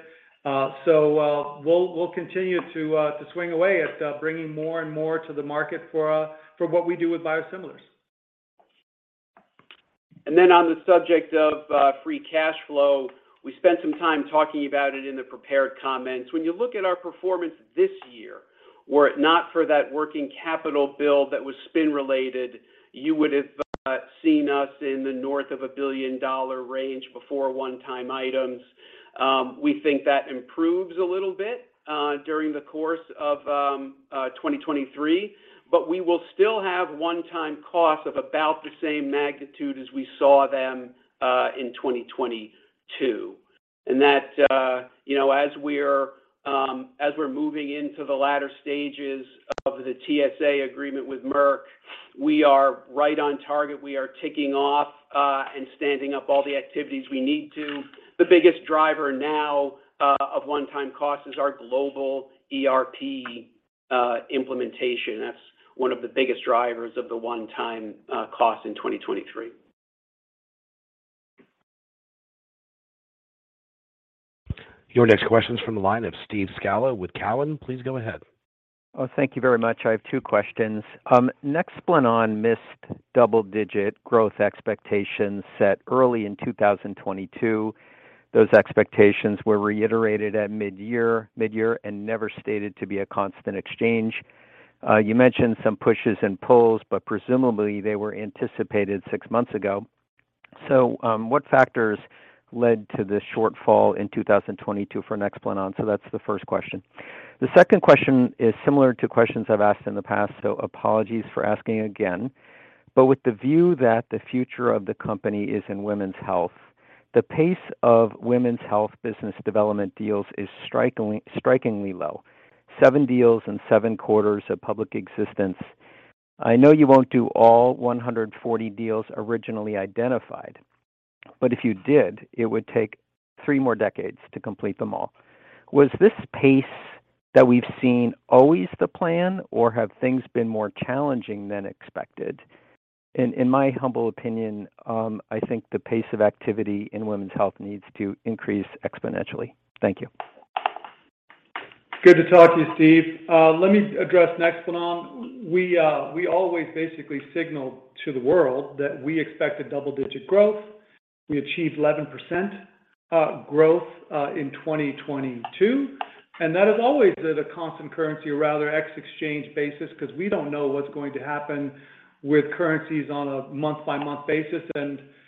[SPEAKER 3] We'll continue to swing away at bringing more and more to the market for what we do with biosimilars.
[SPEAKER 4] On the subject of free cash flow, we spent some time talking about it in the prepared comments. When you look at our performance this year, were it not for that working capital build that was spin related, you would have seen us in the north of a billion-dollar range before one-time items. We think that improves a little bit during the course of 2023, we will still have one-time costs of about the same magnitude as we saw them in 2022. That, you know, as we're moving into the latter stages of the TSA agreement with Merck, we are right on target. We are ticking off and standing up all the activities we need to. The biggest driver now of one-time cost is our global ERP implementation. That's one of the biggest drivers of the one-time cost in 2023.
[SPEAKER 1] Your next question is from the line of Steve Scala with Cowen. Please go ahead.
[SPEAKER 11] Thank you very much. I have two questions. NEXPLANON missed double-digit growth expectations set early in 2022. Those expectations were reiterated at mid-year, and never stated to be a constant exchange. You mentioned some pushes and pulls, but presumably they were anticipated six months ago. What factors led to this shortfall in 2022 for NEXPLANON? That's the first question. The second question is similar to questions I've asked in the past, apologies for asking again. With the view that the future of the company is in Women's Health, the pace of Women's Health business development deals is strikingly low. Seven deals in seven quarters of public existence. I know you won't do all 140 deals originally identified, but if you did, it would take three more decades to complete them all. Was this pace that we've seen always the plan, or have things been more challenging than expected? In my humble opinion, I think the pace of activity in Women's Health needs to increase exponentially. Thank you.
[SPEAKER 3] Good to talk to you, Steve. Let me address NEXPLANON. We always basically signal to the world that we expect a double-digit growth. We achieved 11% growth in 2022, and that is always at a constant currency or rather X exchange basis because we don't know what's going to happen with currencies on a month-by-month basis. It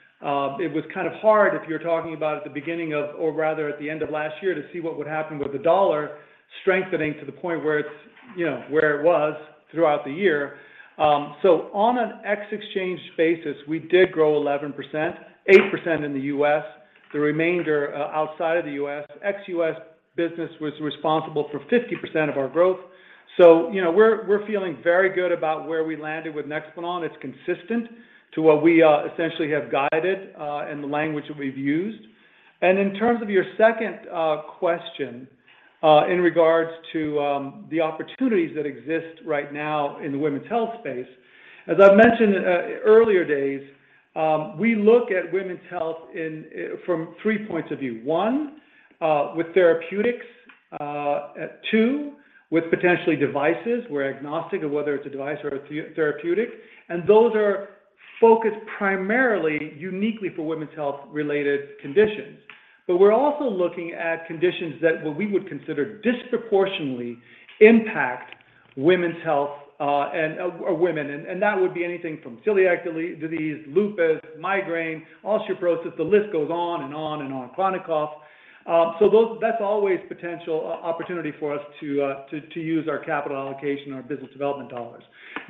[SPEAKER 3] was kind of hard if you're talking about at the beginning of, or rather at the end of last year to see what would happen with the dollar strengthening to the point where it's, you know, where it was throughout the year. On an X exchange basis, we did grow 11%, 8% in the U.S. The remainder outside of the U.S., ex-U.S. business was responsible for 50% of our growth. You know, we're feeling very good about where we landed with NEXPLANON. It's consistent to what we essentially have guided, and the language that we've used. In terms of your second question in regards to the opportunities that exist right now in the Women's Health space, as I've mentioned earlier days, we look at Women's Health in, from three points of view. one, with therapeutics. At two, with potentially devices. We're agnostic of whether it's a device or a therapeutic. Those are focused primarily uniquely for Women's Health related conditions. We're also looking at conditions that what we would consider disproportionately impact Women's Health, and or women. That would be anything from celiac disease, lupus, migraine, osteoporosis, the list goes on and on and on. chronic cough. Those. That's always potential opportunity for us to use our capital allocation, our business development dollars.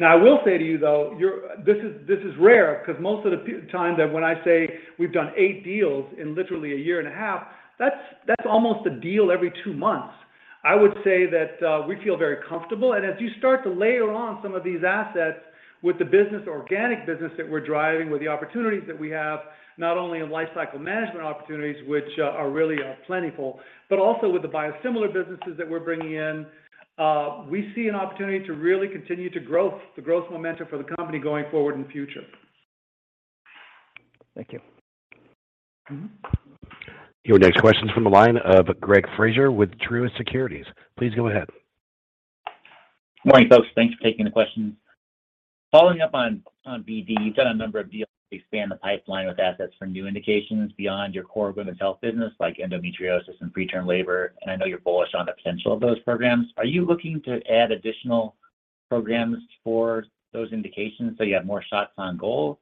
[SPEAKER 3] I will say to you though, this is rare, because most of the few times that when I say we've done eight deals in literally a year and a half, that's almost a deal every two months. I would say that we feel very comfortable. As you start to layer on some of these assets with the business, organic business that we're driving, with the opportunities that we have, not only in life cycle management opportunities, which are plentiful, but also with the Biosimilar businesses that we're bringing in, we see an opportunity to really continue to growth, the growth momentum for the company going forward in the future.
[SPEAKER 11] Thank you.
[SPEAKER 3] Mm-hmm.
[SPEAKER 1] Your next question is from the line of Greg Fraser with Truist Securities. Please go ahead.
[SPEAKER 12] Morning, folks. Thanks for taking the questions. Following up on BD, you've done a number of deals to expand the pipeline with assets from new indications beyond your core Women's Health business, like endometriosis and preterm labor. I know you're bullish on the potential of those programs. Are you looking to add additional programs for those indications so you have more shots on goal?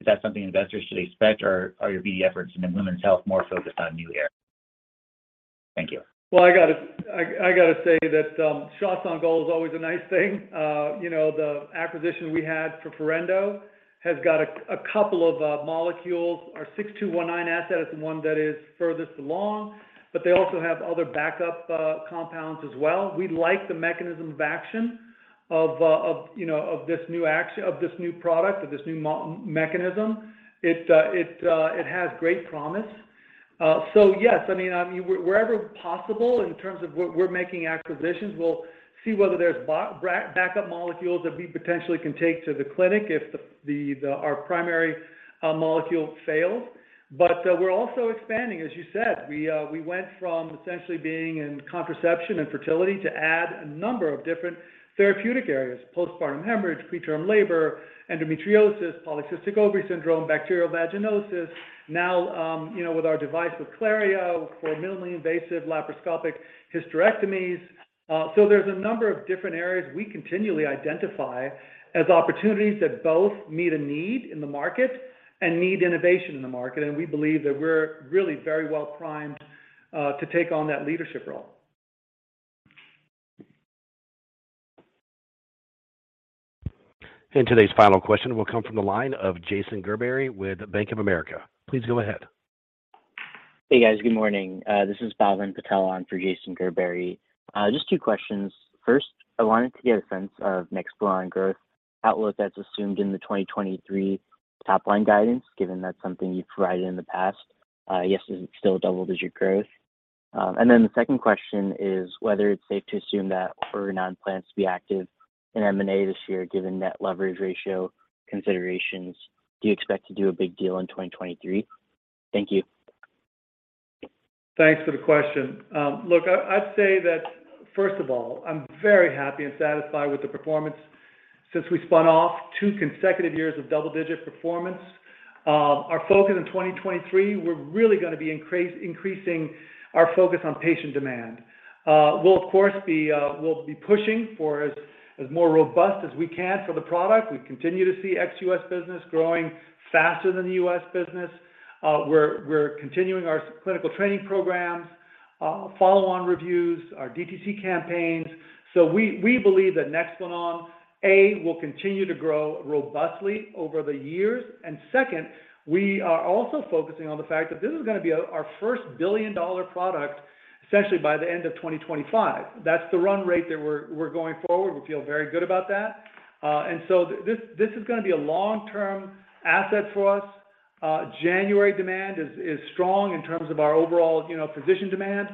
[SPEAKER 12] Is that something investors should expect, or are your BD efforts in the Women's Health more focused on new areas? Thank you.
[SPEAKER 3] Well, I gotta say that shots on goal is always a nice thing. You know, the acquisition we had for Forendo has got a couple of molecules. Our OG-6219 asset is the one that is furthest along, but they also have other backup compounds as well. We like the mechanism of action of, you know, of this new product, of this new mechanism. It has great promise. Yes, I mean, I mean, wherever possible in terms of what we're making acquisitions, we'll see whether there's backup molecules that we potentially can take to the clinic if the our primary molecule fails. We're also expanding, as you said. We went from essentially being in contraception and fertility to add a number of different therapeutic areas. Postpartum hemorrhage, preterm labor, endometriosis, polycystic ovary syndrome, bacterial vaginosis. You know, with our device with Clarix for minimally invasive laparoscopic hysterectomies. There's a number of different areas we continually identify as opportunities that both meet a need in the market and need innovation in the market. We believe that we're really very well-primed to take on that leadership role.
[SPEAKER 1] Today's final question will come from the line of Jason Gerberry with Bank of America. Please go ahead.
[SPEAKER 13] Hey, guys. Good morning. This is Bhavin Patel on for Jason Gerberry. Just two questions. First, I wanted to get a sense of NEXPLANON growth outlook that's assumed in the 2023 top line guidance, given that's something you've provided in the past. I guess, is it still double-digit growth? The second question is whether it's safe to assume that Organon plans to be active in M&A this year, given net leverage ratio considerations. Do you expect to do a big deal in 2023? Thank you.
[SPEAKER 3] Thanks for the question. Look, I'd say that, first of all, I'm very happy and satisfied with the performance since we spun off two consecutive years of double-digit performance. Our focus in 2023, we're really gonna be increasing our focus on patient demand. We'll of course be, we'll be pushing for as more robust as we can for the product. We continue to see ex-U.S. business growing faster than the U.S. business. We're continuing our clinical training programs, follow-on reviews, our DTC campaigns. We believe that NEXPLANON, A, will continue to grow robustly over the years. Second, we are also focusing on the fact that this is gonna be our first billion-dollar product, essentially by the end of 2025. That's the run rate that we're going forward. We feel very good about that. This is gonna be a long-term asset for us. January demand is strong in terms of our overall, you know, physician demand.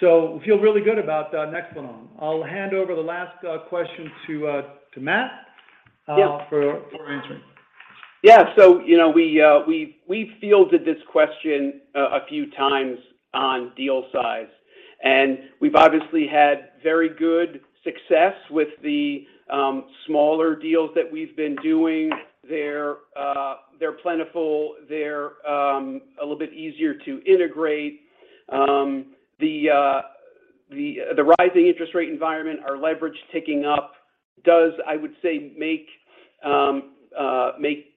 [SPEAKER 3] We feel really good about NEXPLANON. I'll hand over the last question to Matt.
[SPEAKER 4] Yeah...
[SPEAKER 3] for answering.
[SPEAKER 4] Yeah. You know, we fielded this question a few times on deal size, and we've obviously had very good success with the smaller deals that we've been doing. They're plentiful. They're a little bit easier to integrate. The rising interest rate environment, our leverage ticking up does, I would say, make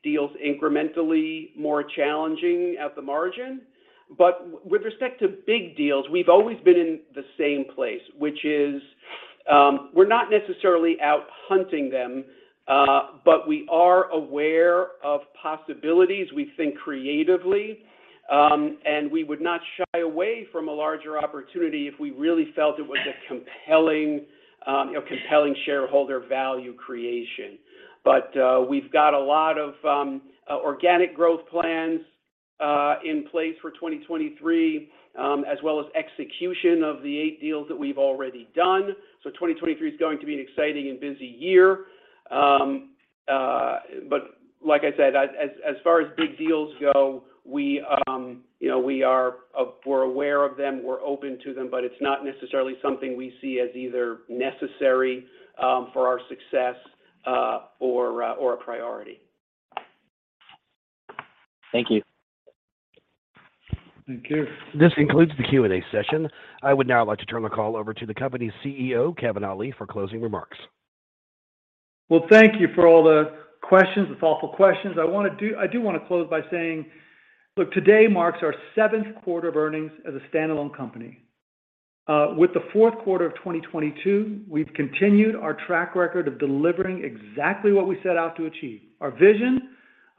[SPEAKER 4] deals incrementally more challenging at the margin. With respect to big deals, we've always been in the same place, which is, we're not necessarily out hunting them, but we are aware of possibilities. We think creatively, and we would not shy away from a larger opportunity if we really felt it was a compelling, you know, compelling shareholder value creation. We've got a lot of organic growth plans in place for 2023, as well as execution of the eight deals that we've already done. 2023 is going to be an exciting and busy year. Like I said, as far as big deals go, we, you know, we are aware of them, we're open to them, but it's not necessarily something we see as either necessary for our success or a priority.
[SPEAKER 13] Thank you.
[SPEAKER 3] Thank you.
[SPEAKER 1] This concludes the Q&A session. I would now like to turn the call over to the company's CEO, Kevin Ali, for closing remarks.
[SPEAKER 3] Well, thank you for all the questions, the thoughtful questions. I do wanna close by saying, look, today marks our seventh quarter of earnings as a standalone company. With the fourth quarter of 2022, we've continued our track record of delivering exactly what we set out to achieve. Our vision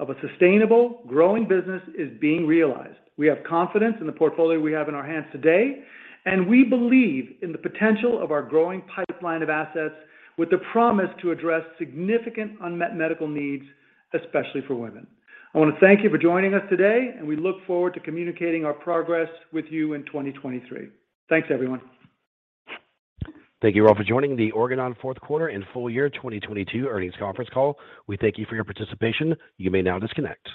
[SPEAKER 3] of a sustainable, growing business is being realized. We have confidence in the portfolio we have in our hands today, and we believe in the potential of our growing pipeline of assets with the promise to address significant unmet medical needs, especially for women. I wanna thank you for joining us today, and we look forward to communicating our progress with you in 2023. Thanks, everyone.
[SPEAKER 1] Thank you all for joining the Organon fourth quarter and full year 2022 earnings conference call. We thank you for your participation. You may now disconnect.